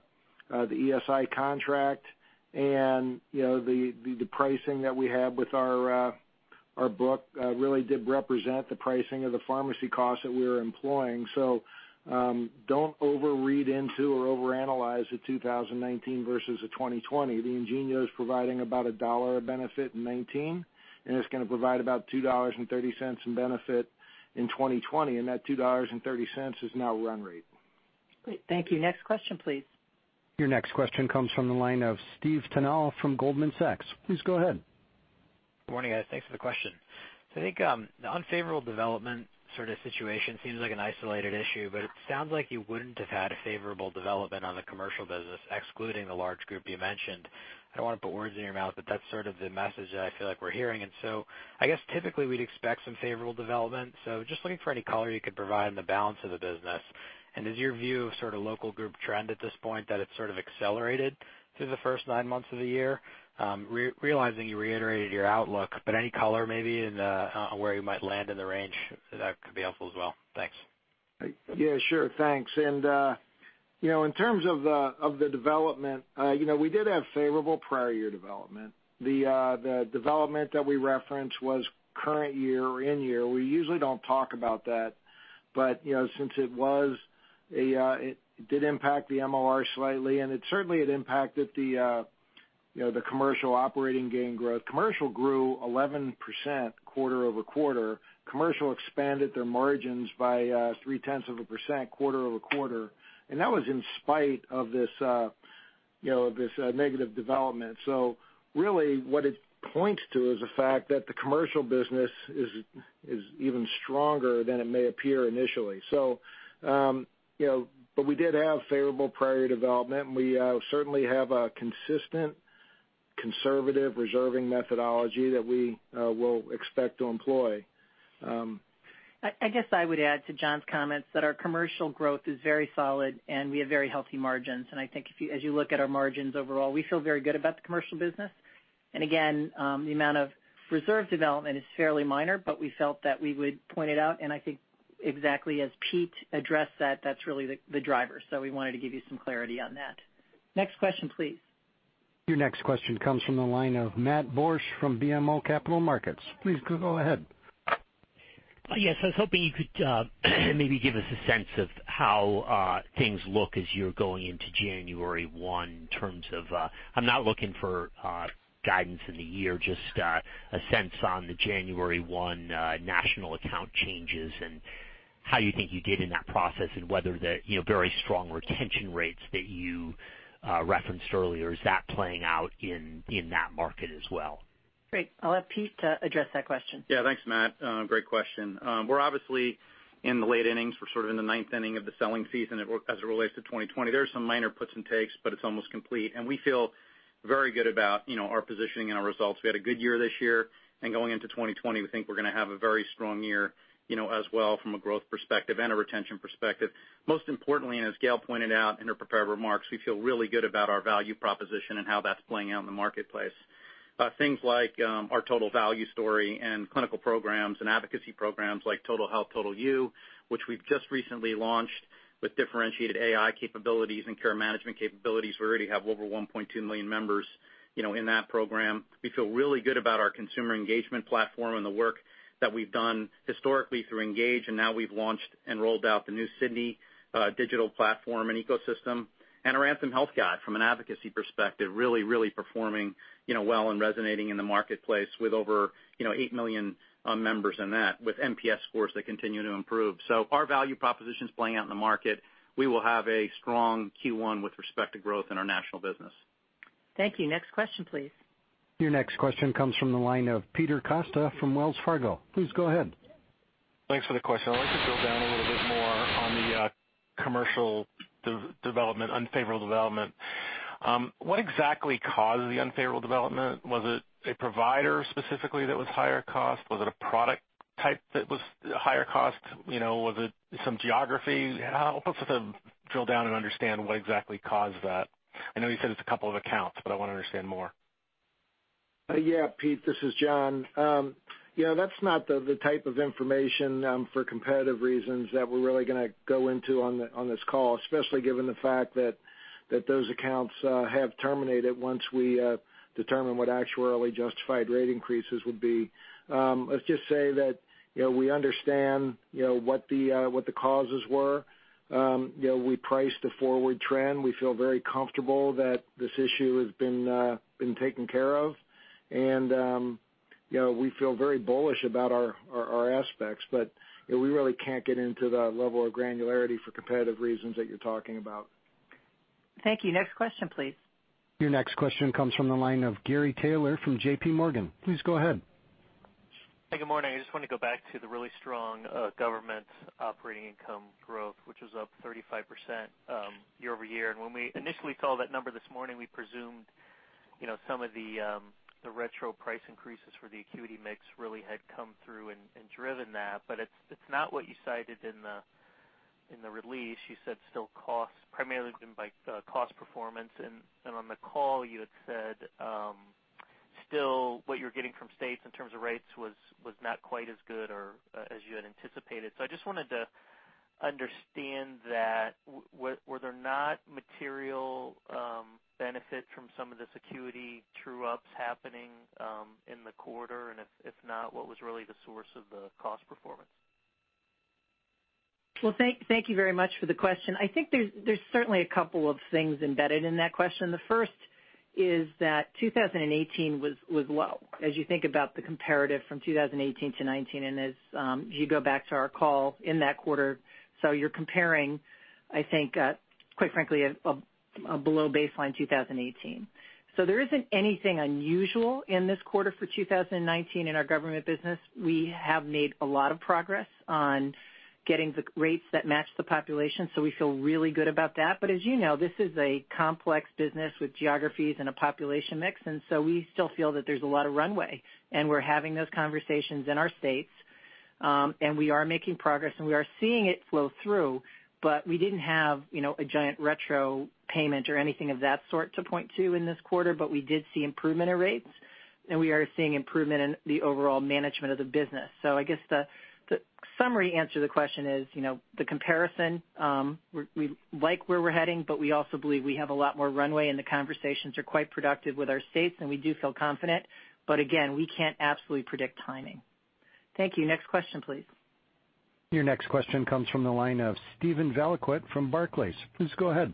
S4: ESI contract, and the pricing that we have with our book really did represent the pricing of the pharmacy costs that we were employing. Don't overread into or overanalyze the 2019 versus the 2020. The IngenioRx is providing about $1 of benefit in 2019, and it's going to provide about $2.30 in benefit in 2020, and that $2.30 is now run rate.
S3: Great. Thank you. Next question, please.
S1: Your next question comes from the line of Steve Tanal from Goldman Sachs. Please go ahead.
S12: Good morning, guys. Thanks for the question. I think the unfavorable development sort of situation seems like an isolated issue, but it sounds like you wouldn't have had a favorable development on the commercial business, excluding the large group you mentioned. I don't want to put words in your mouth, but that's sort of the message that I feel like we're hearing. I guess typically we'd expect some favorable development. Just looking for any color you could provide on the balance of the business. Is your view of sort of local group trend at this point that it's sort of accelerated through the first nine months of the year? Realizing you reiterated your outlook, but any color maybe in where you might land in the range, that could be helpful as well. Thanks.
S4: Yeah, sure. Thanks. In terms of the development, we did have favorable prior year development. The development that we referenced was current year, in-year. We usually don't talk about that. Since it did impact the MOR slightly, and it certainly had impacted the commercial operating gain growth. Commercial grew 11% quarter-over-quarter. Commercial expanded their margins by 0.3% quarter-over-quarter. That was in spite of this negative development. Really what it points to is the fact that the commercial business is even stronger than it may appear initially. We did have favorable prior year development, and we certainly have a consistent conservative reserving methodology that we will expect to employ.
S3: I guess I would add to John's comments that our commercial growth is very solid and we have very healthy margins. I think as you look at our margins overall, we feel very good about the commercial business. Again, the amount of reserve development is fairly minor, but we felt that we would point it out, and I think exactly as Pete addressed that's really the driver. We wanted to give you some clarity on that. Next question, please.
S1: Your next question comes from the line of Matthew Borsch from BMO Capital Markets. Please go ahead.
S13: Yes. I was hoping you could maybe give us a sense of how things look as you're going into January one in terms of I'm not looking for guidance in the year, just a sense on the January one national account changes and how you think you did in that process and whether the very strong retention rates that you referenced earlier, is that playing out in that market as well?
S3: Great. I'll have Pete address that question.
S6: Thanks, Matt. Great question. We're obviously in the late innings. We're sort of in the ninth inning of the selling season as it relates to 2020. There's some minor puts and takes, but it's almost complete, and we feel very good about our positioning and our results. We had a good year this year. Going into 2020, we think we're going to have a very strong year as well from a growth perspective and a retention perspective. Most importantly, and as Gail pointed out in her prepared remarks, we feel really good about our value proposition and how that's playing out in the marketplace. Things like our total value story and clinical programs and advocacy programs like Total Health, Total You, which we've just recently launched with differentiated AI capabilities and care management capabilities. We already have over 1.2 million members in that program. We feel really good about our consumer engagement platform and the work that we've done historically through Engage, and now we've launched and rolled out the new Sydney digital platform and ecosystem. Our Anthem Health Guide from an advocacy perspective, really performing well and resonating in the marketplace with over 8 million members in that with NPS scores that continue to improve. Our value proposition's playing out in the market. We will have a strong Q1 with respect to growth in our national business.
S3: Thank you. Next question, please.
S1: Your next question comes from the line of Peter Costa from Wells Fargo. Please go ahead.
S14: Thanks for the question. I'd like to drill down a little bit more on the commercial development, unfavorable development. What exactly caused the unfavorable development? Was it a provider specifically that was higher cost? Was it a product type that was higher cost? Was it some geography? Help us drill down and understand what exactly caused that. I know you said it's a couple of accounts, but I want to understand more.
S4: Yeah, Pete, this is John. That's not the type of information, for competitive reasons, that we're really going to go into on this call, especially given the fact that those accounts have terminated once we determine what actuarially justified rate increases would be. Let's just say that we understand what the causes were. We priced a forward trend. We feel very comfortable that this issue has been taken care of. We feel very bullish about our aspects. We really can't get into the level of granularity for competitive reasons that you're talking about.
S3: Thank you. Next question, please.
S1: Your next question comes from the line of Gary Taylor from J.P. Morgan. Please go ahead.
S15: Good morning. I just want to go back to the really strong government operating income growth, which was up 35% year-over-year. When we initially saw that number this morning, we presumed some of the retro price increases for the acuity mix really had come through and driven that. It's not what you cited in the release. You said still primarily driven by cost performance. On the call you had said still what you're getting from states in terms of rates was not quite as good or as you had anticipated. I just wanted to understand that. Were there not material benefit from some of this acuity true-ups happening in the quarter? If not, what was really the source of the cost performance?
S3: Well, thank you very much for the question. I think there's certainly a couple of things embedded in that question. The first is that 2018 was low. As you think about the comparative from 2018 to 2019, as you go back to our call in that quarter, you're comparing, I think, quite frankly, a below baseline 2018. There isn't anything unusual in this quarter for 2019 in our government business. We have made a lot of progress on getting the rates that match the population, we feel really good about that. As you know, this is a complex business with geographies and a population mix, we still feel that there's a lot of runway. We're having those conversations in our states. We are making progress, and we are seeing it flow through, but we didn't have a giant retro payment or anything of that sort to point to in this quarter, but we did see improvement in rates. We are seeing improvement in the overall management of the business. I guess the summary answer to the question is, the comparison, we like where we're heading, but we also believe we have a lot more runway, and the conversations are quite productive with our states, and we do feel confident. Again, we can't absolutely predict timing. Thank you. Next question, please.
S1: Your next question comes from the line of Steven Valiquette from Barclays. Please go ahead.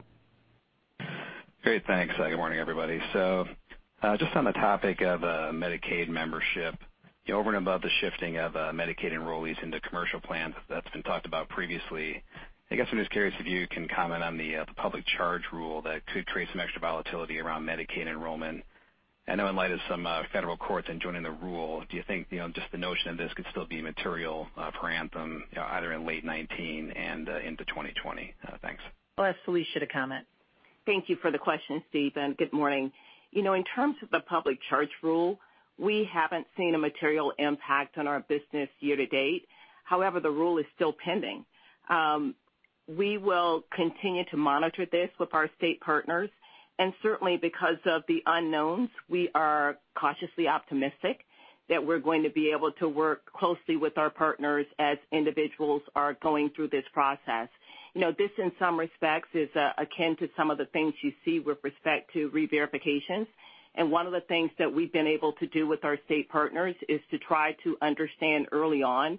S16: Great. Thanks. Good morning, everybody. Just on the topic of Medicaid membership. Over and above the shifting of Medicaid enrollees into commercial plans that's been talked about previously, I guess I'm just curious if you can comment on the public charge rule that could create some extra volatility around Medicaid enrollment. I know in light of some federal courts enjoining the rule, do you think just the notion of this could still be material for Anthem either in late 2019 and into 2020? Thanks.
S3: I'll ask Felicia to comment.
S10: Thank you for the question, Steven. Good morning. In terms of the public charge rule, we haven't seen a material impact on our business year to date. However, the rule is still pending. We will continue to monitor this with our state partners, and certainly because of the unknowns, we are cautiously optimistic that we're going to be able to work closely with our partners as individuals are going through this process. This, in some respects, is akin to some of the things you see with respect to reverifications. One of the things that we've been able to do with our state partners is to try to understand early on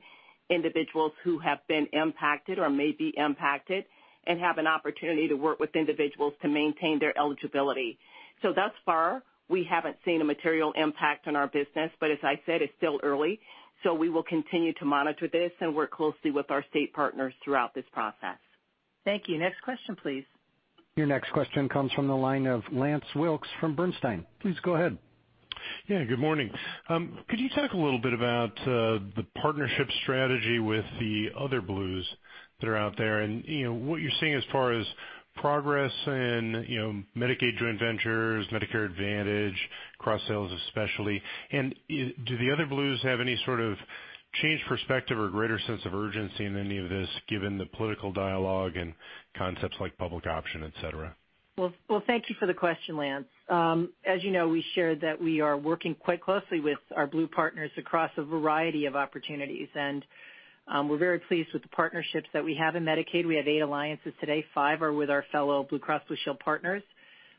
S10: individuals who have been impacted or may be impacted and have an opportunity to work with individuals to maintain their eligibility. Thus far, we haven't seen a material impact on our business, but as I said, it's still early, so we will continue to monitor this and work closely with our state partners throughout this process.
S3: Thank you. Next question, please.
S1: Your next question comes from the line of Lance Wilkes from Bernstein. Please go ahead.
S17: Yeah, good morning. Could you talk a little bit about the partnership strategy with the other Blues that are out there and what you're seeing as far as progress in Medicaid joint ventures, Medicare Advantage, cross-sales especially. Do the other Blues have any sort of changed perspective or greater sense of urgency in any of this, given the political dialogue and concepts like public option, et cetera?
S3: Well, thank you for the question, Lance. As you know, we shared that we are working quite closely with our Blue partners across a variety of opportunities, and we're very pleased with the partnerships that we have in Medicaid. We have eight alliances today. Five are with our fellow Blue Cross Blue Shield partners.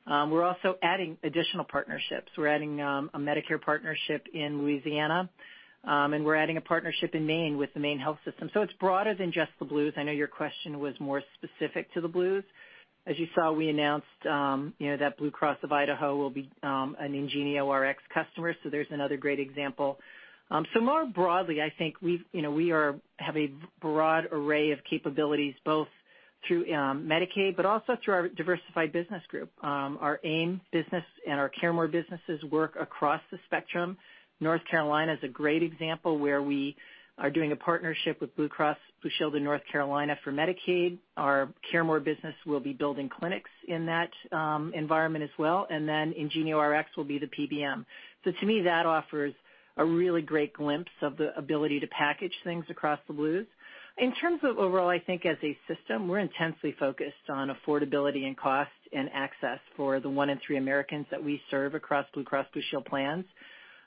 S3: We're also adding additional partnerships. We're adding a Medicare partnership in Louisiana, and we're adding a partnership in Maine with the MaineHealth System. It's broader than just the Blues. I know your question was more specific to the Blues. As you saw, we announced that Blue Cross of Idaho will be an IngenioRx customer. There's another great example. More broadly, I think we have a broad array of capabilities both through Medicaid, but also through our Diversified Business Group. Our AIM business and our CareMore businesses work across the spectrum. North Carolina is a great example where we are doing a partnership with Blue Cross Blue Shield in North Carolina for Medicaid. Our CareMore business will be building clinics in that environment as well. IngenioRx will be the PBM. To me, that offers a really great glimpse of the ability to package things across the Blues. In terms of overall, I think as a system, we're intensely focused on affordability and cost and access for the one in three Americans that we serve across Blue Cross Blue Shield plans.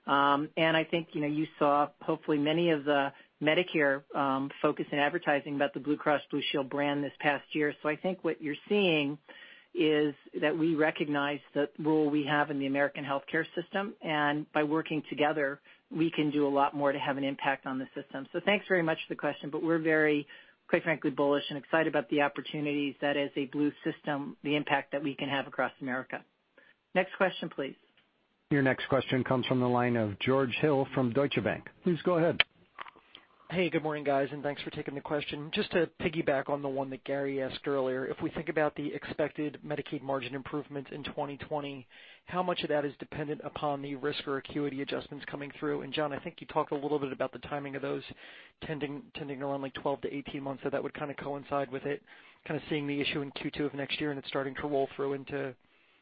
S3: I think you saw hopefully many of the Medicare focus in advertising about the Blue Cross Blue Shield brand this past year. I think what you're seeing is that we recognize the role we have in the American healthcare system, and by working together, we can do a lot more to have an impact on the system. Thanks very much for the question, but we're very, quite frankly, bullish and excited about the opportunities that as a Blue system, the impact that we can have across America. Next question, please.
S1: Your next question comes from the line of George Hill from Deutsche Bank. Please go ahead.
S18: Hey, good morning, guys. Thanks for taking the question. Just to piggyback on the one that Gary asked earlier, if we think about the expected Medicaid margin improvements in 2020, how much of that is dependent upon the risk or acuity adjustments coming through? John, I think you talked a little bit about the timing of those tending around 12-18 months, so that would kind of coincide with it, kind of seeing the issue in Q2 of next year and it starting to roll through into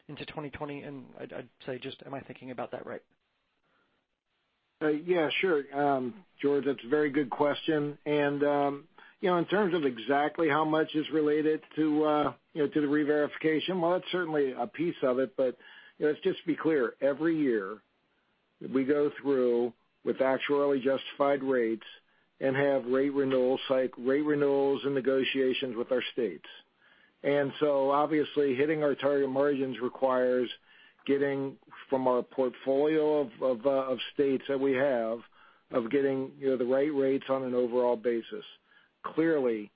S18: 2020. I'd say just am I thinking about that right?
S4: Yeah, sure. George, that's a very good question. In terms of exactly how much is related to the reverification, well, that's certainly a piece of it. Let's just be clear. Every year, we go through with actuarially justified rates and have rate renewals and negotiations with our states. Obviously hitting our target margins requires getting from our portfolio of states that we have of getting the right rates on an overall basis. Clearly,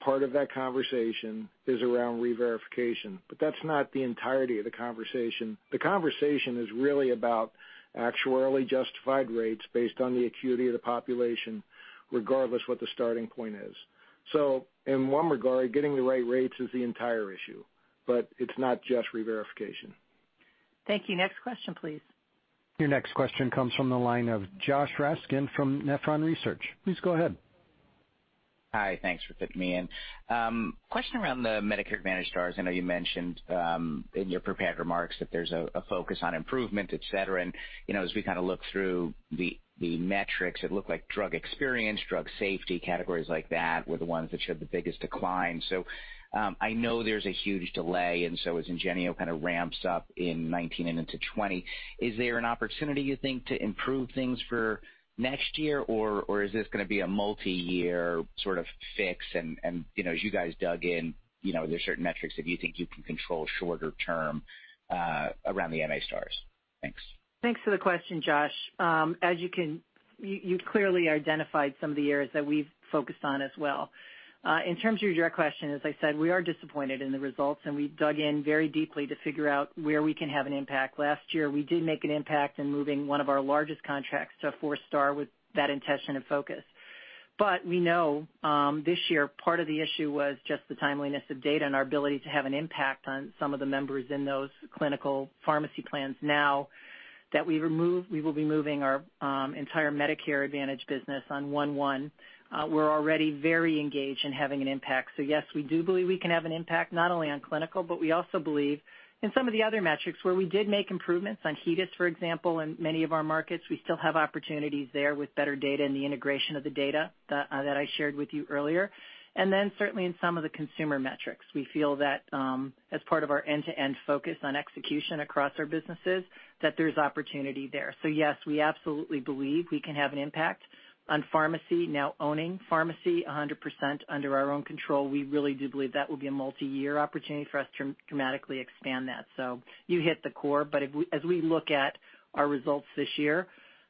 S4: part of that conversation is around reverification, but that's not the entirety of the conversation. The conversation is really about actuarially justified rates based on the acuity of the population, regardless what the starting point is. In one regard, getting the right rates is the entire issue, but it's not just reverification.
S3: Thank you. Next question, please.
S1: Your next question comes from the line of Josh Raskin from Nephron Research. Please go ahead.
S19: Hi, thanks for fitting me in. Question around the Medicare Advantage stars. I know you mentioned in your prepared remarks that there's a focus on improvement, et cetera, and as we look through the metrics, it looked like drug experience, drug safety, categories like that were the ones that showed the biggest decline. I know there's a huge delay, and so as IngenioRx kind of ramps up in 2019 and into 2020, is there an opportunity, you think, to improve things for next year? Or is this going to be a multi-year sort of fix? As you guys dug in, there's certain metrics that you think you can control shorter term around the MA stars. Thanks.
S3: Thanks for the question, Josh. You clearly identified some of the areas that we've focused on as well. In terms of your direct question, as I said, we are disappointed in the results, and we dug in very deeply to figure out where we can have an impact. Last year, we did make an impact in moving one of our largest contracts to a 4-star with that intention and focus. We know, this year, part of the issue was just the timeliness of data and our ability to have an impact on some of the members in those clinical pharmacy plans. Now that we will be moving our entire Medicare Advantage business on one-one, we're already very engaged in having an impact. Yes, we do believe we can have an impact not only on clinical, but we also believe in some of the other metrics where we did make improvements, on HEDIS, for example, in many of our markets. We still have opportunities there with better data and the integration of the data that I shared with you earlier. Certainly in some of the consumer metrics. We feel that as part of our end-to-end focus on execution across our businesses, that there's opportunity there. Yes, we absolutely believe we can have an impact on pharmacy. Now owning pharmacy 100% under our own control, we really do believe that will be a multi-year opportunity for us to dramatically expand that. You hit the core, but as we look at our results this year,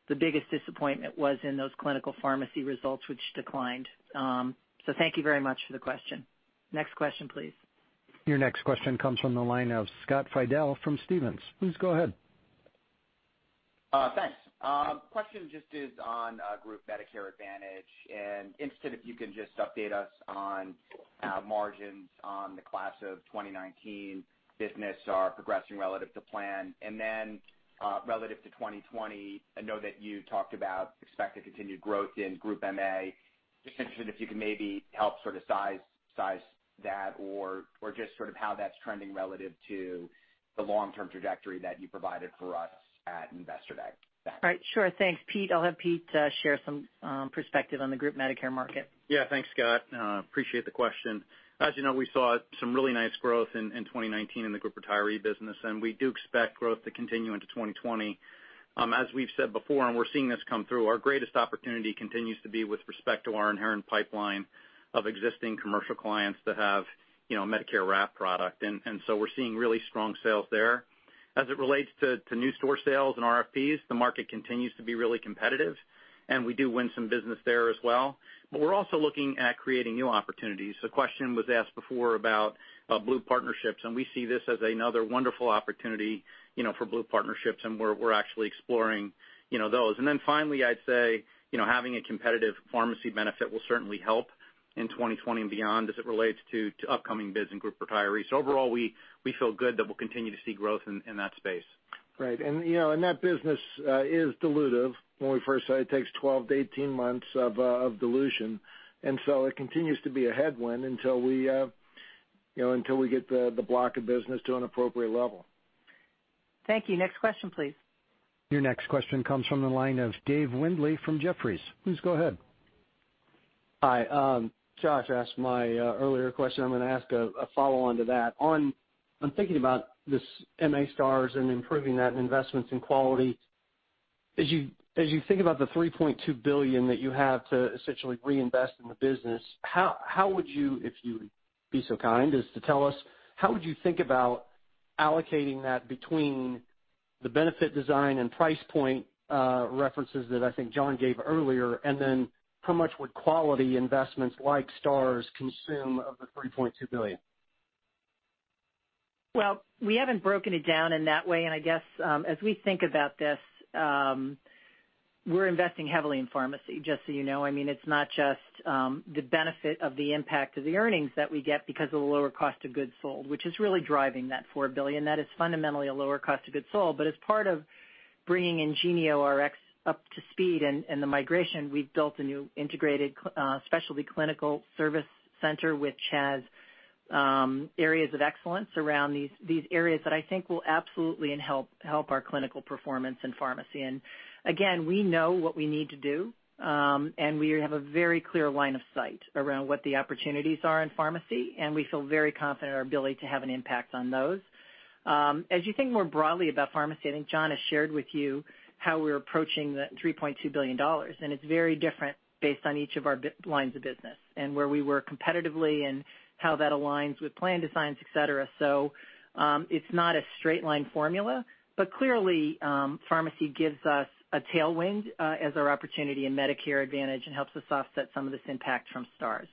S3: the biggest disappointment was in those clinical pharmacy results, which declined. Thank you very much for the question. Next question, please.
S1: Your next question comes from the line of Scott Fidel from Stephens. Please go ahead.
S20: Thanks. Question just is on Group Medicare Advantage. Interested if you can just update us on margins on the class of 2019 business are progressing relative to plan and then relative to 2020. I know that you talked about expect to continue growth in Group MA. Just interested if you could maybe help sort of size that or just sort of how that's trending relative to the long-term trajectory that you provided for us at Investor Day. Thanks.
S3: Right. Sure. Thanks, Pete. I'll have Pete share some perspective on the Group Medicare market.
S6: Yeah. Thanks, Scott. Appreciate the question. As you know, we saw some really nice growth in 2019 in the group retiree business. We do expect growth to continue into 2020. As we've said before, and we're seeing this come through, our greatest opportunity continues to be with respect to our inherent pipeline of existing commercial clients that have Medicare wrap product. We're seeing really strong sales there. As it relates to new store sales and RFPs, the market continues to be really competitive, and we do win some business there as well. We're also looking at creating new opportunities. The question was asked before about Blue partnerships, and we see this as another wonderful opportunity for Blue partnerships, and we're actually exploring those. Finally, I'd say having a competitive pharmacy benefit will certainly help in 2020 and beyond as it relates to upcoming bids and group retirees. Overall, we feel good that we'll continue to see growth in that space.
S3: Right. That business is dilutive. When we first say it takes 12 to 18 months of dilution, it continues to be a headwind until we get the block of business to an appropriate level. Thank you. Next question, please.
S1: Your next question comes from the line of Dave Windley from Jefferies. Please go ahead.
S21: Hi. Josh asked my earlier question. I'm going to ask a follow-on to that. Thinking about this Medicare Advantage Stars and improving that and investments in quality, as you think about the $3.2 billion that you have to essentially reinvest in the business, how would you, if you would be so kind as to tell us, how would you think about allocating that between the benefit design and price point references that I think John gave earlier? How much would quality investments like Stars consume of the $3.2 billion?
S3: Well, we haven't broken it down in that way. I guess as we think about this, we're investing heavily in pharmacy, just so you know. It's not just the benefit of the impact of the earnings that we get because of the lower cost of goods sold, which is really driving that $4 billion. That is fundamentally a lower cost of goods sold. As part of bringing IngenioRx up to speed and the migration, we've built a new integrated specialty clinical service center, which has areas of excellence around these areas that I think will absolutely help our clinical performance in pharmacy. Again, we know what we need to do, and we have a very clear line of sight around what the opportunities are in pharmacy, and we feel very confident in our ability to have an impact on those. As you think more broadly about pharmacy, I think John has shared with you how we're approaching that $3.2 billion. It's very different based on each of our lines of business and where we work competitively and how that aligns with plan designs, et cetera. It's not a straight line formula, but clearly, pharmacy gives us a tailwind as our opportunity in Medicare Advantage and helps us offset some of this impact from Stars.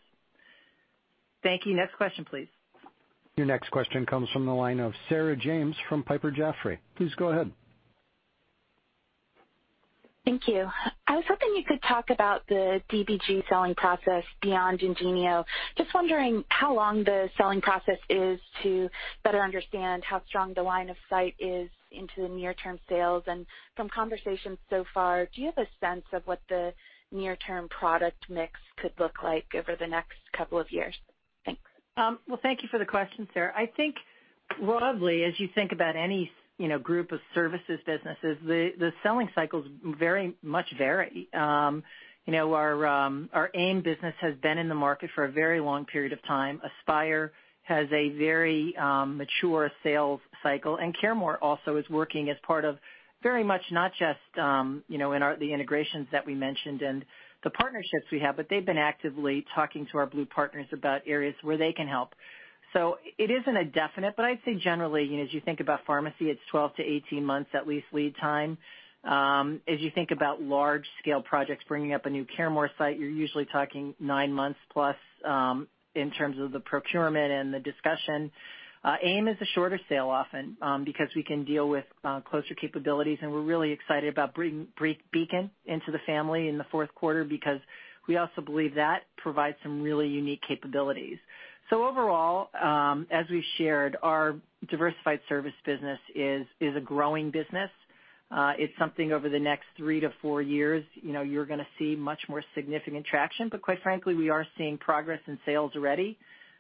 S3: Thank you. Next question, please.
S1: Your next question comes from the line of Sarah James from Piper Jaffray. Please go ahead.
S22: Thank you. I was hoping you could talk about the DBG selling process beyond IngenioRx. Just wondering how long the selling process is to better understand how strong the line of sight is into the near-term sales. From conversations so far, do you have a sense of what the near-term product mix could look like over the next couple of years? Thanks.
S3: Well, thank you for the question, Sarah. I think broadly, as you think about any group of services businesses, the selling cycles very much vary. Our AIM business has been in the market for a very long period of time. Aspire has a very mature sales cycle, and CareMore also is working as part of very much not just in the integrations that we mentioned and the partnerships we have, but they've been actively talking to our Blue partners about areas where they can help. It isn't a definite, but I'd say generally, as you think about pharmacy, it's 12-18 months, at least lead time. As you think about large-scale projects, bringing up a new CareMore site, you're usually talking nine months plus in terms of the procurement and the discussion. AIM is a shorter sale often because we can deal with closer capabilities, and we're really excited about bringing Beacon into the family in the fourth quarter because we also believe that provides some really unique capabilities. Overall as we shared, our diversified service business is a growing business. It's something over the next three to four years, you're going to see much more significant traction. Quite frankly, we are seeing progress in sales already,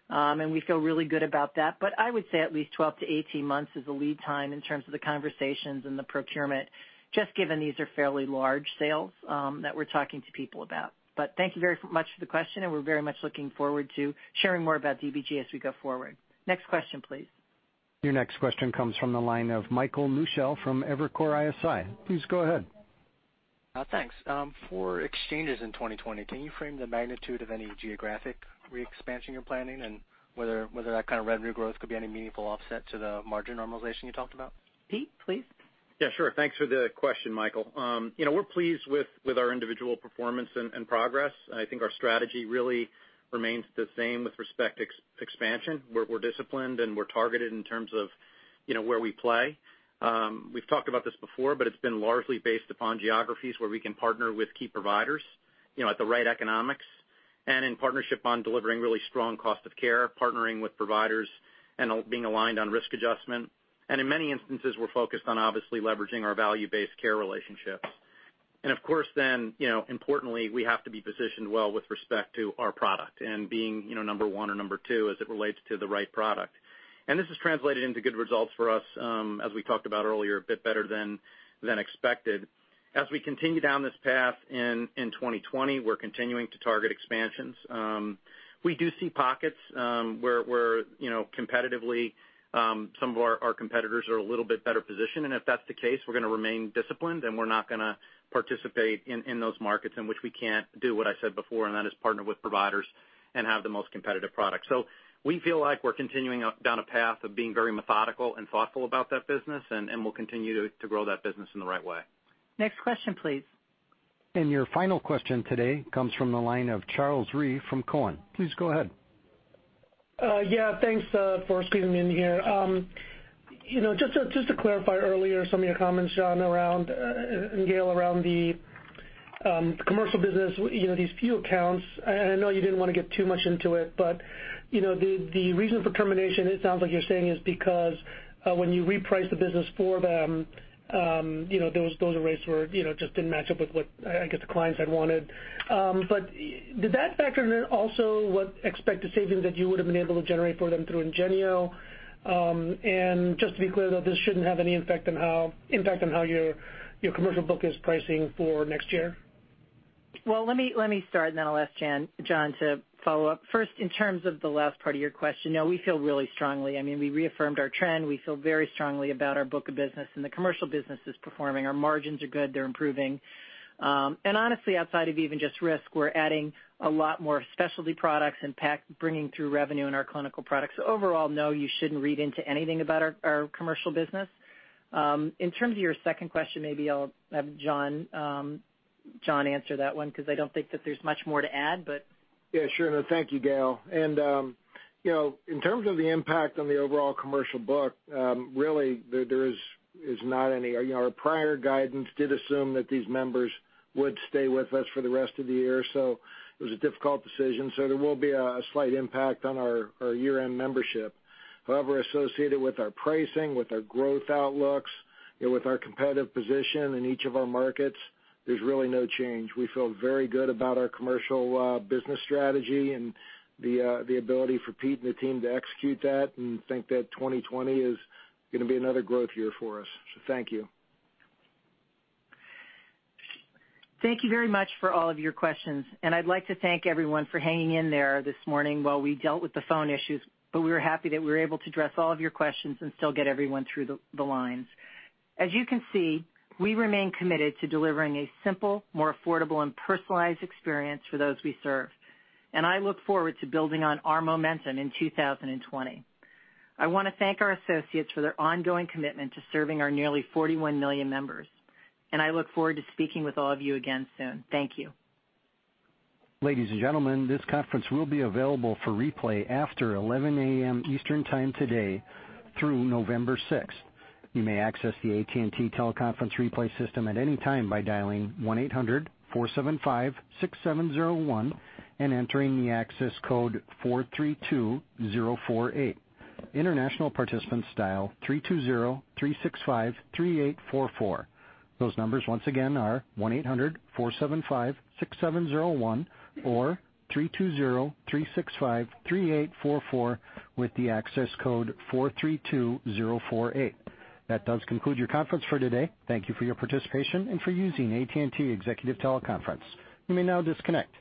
S3: and we feel really good about that. I would say at least 12 to 18 months is the lead time in terms of the conversations and the procurement, just given these are fairly large sales that we're talking to people about. Thank you very much for the question, and we're very much looking forward to sharing more about DBG as we go forward. Next question, please.
S1: Your next question comes from the line of Michael Newshel from Evercore ISI. Please go ahead.
S23: Thanks. For exchanges in 2020, can you frame the magnitude of any geographic re-expansion you're planning and whether that kind of revenue growth could be any meaningful offset to the margin normalization you talked about?
S3: Pete, please.
S6: Yeah, sure. Thanks for the question, Michael. We're pleased with our individual performance and progress. I think our strategy really remains the same with respect to expansion. We're disciplined, we're targeted in terms of where we play. We've talked about this before, it's been largely based upon geographies where we can partner with key providers at the right economics and in partnership on delivering really strong cost of care, partnering with providers, and being aligned on risk adjustment. In many instances, we're focused on obviously leveraging our value-based care relationships. Of course, then, importantly, we have to be positioned well with respect to our product and being number one or number two as it relates to the right product. This has translated into good results for us, as we talked about earlier, a bit better than expected. As we continue down this path in 2020, we're continuing to target expansions. We do see pockets where competitively, some of our competitors are a little bit better positioned. If that's the case, we're going to remain disciplined, and we're not going to participate in those markets in which we can't do what I said before, and that is partner with providers and have the most competitive product. We feel like we're continuing down a path of being very methodical and thoughtful about that business, and we'll continue to grow that business in the right way.
S3: Next question, please.
S1: Your final question today comes from the line of Charles Rhyee from Cowen. Please go ahead.
S24: Yeah. Thanks for squeezing me in here. Just to clarify earlier some of your comments, John and Gail, around the commercial business, these few accounts. I know you didn't want to get too much into it, but the reason for termination, it sounds like you're saying, is because when you reprice the business for them, those rates just didn't match up with what I guess the clients had wanted. Did that factor in also what expected savings that you would've been able to generate for them through IngenioRx? Just to be clear, though, this shouldn't have any impact on how your commercial book is pricing for next year?
S3: Well, let me start, and then I'll ask John to follow up. In terms of the last part of your question, no, we feel really strongly. We reaffirmed our trend. We feel very strongly about our book of business, the commercial business is performing. Our margins are good. They're improving. Honestly, outside of even just risk, we're adding a lot more specialty products and bringing through revenue in our clinical products. Overall, no, you shouldn't read into anything about our commercial business. In terms of your second question, maybe I'll have John answer that one because I don't think that there's much more to add.
S4: Yeah, sure. No, thank you, Gail. In terms of the impact on the overall commercial book, really, there is not any. Our prior guidance did assume that these members would stay with us for the rest of the year, so it was a difficult decision. There will be a slight impact on our year-end membership. However, associated with our pricing, with our growth outlooks, with our competitive position in each of our markets, there's really no change. We feel very good about our commercial business strategy and the ability for Pete and the team to execute that and think that 2020 is going to be another growth year for us. Thank you.
S3: Thank you very much for all of your questions. I'd like to thank everyone for hanging in there this morning while we dealt with the phone issues. We were happy that we were able to address all of your questions and still get everyone through the lines. As you can see, we remain committed to delivering a simple, more affordable, and personalized experience for those we serve. I look forward to building on our momentum in 2020. I want to thank our associates for their ongoing commitment to serving our nearly 41 million members. I look forward to speaking with all of you again soon. Thank you.
S1: Ladies and gentlemen, this conference will be available for replay after 11:00 A.M. Eastern Time today through November 6th. You may access the AT&T TeleConference replay system at any time by dialing 1-800-475-6701 and entering the access code 432048. International participants dial 320-365-3844. Those numbers once again are 1-800-475-6701 or 320-365-3844 with the access code 432048. That does conclude your conference for today. Thank you for your participation and for using AT&T Executive TeleConference. You may now disconnect.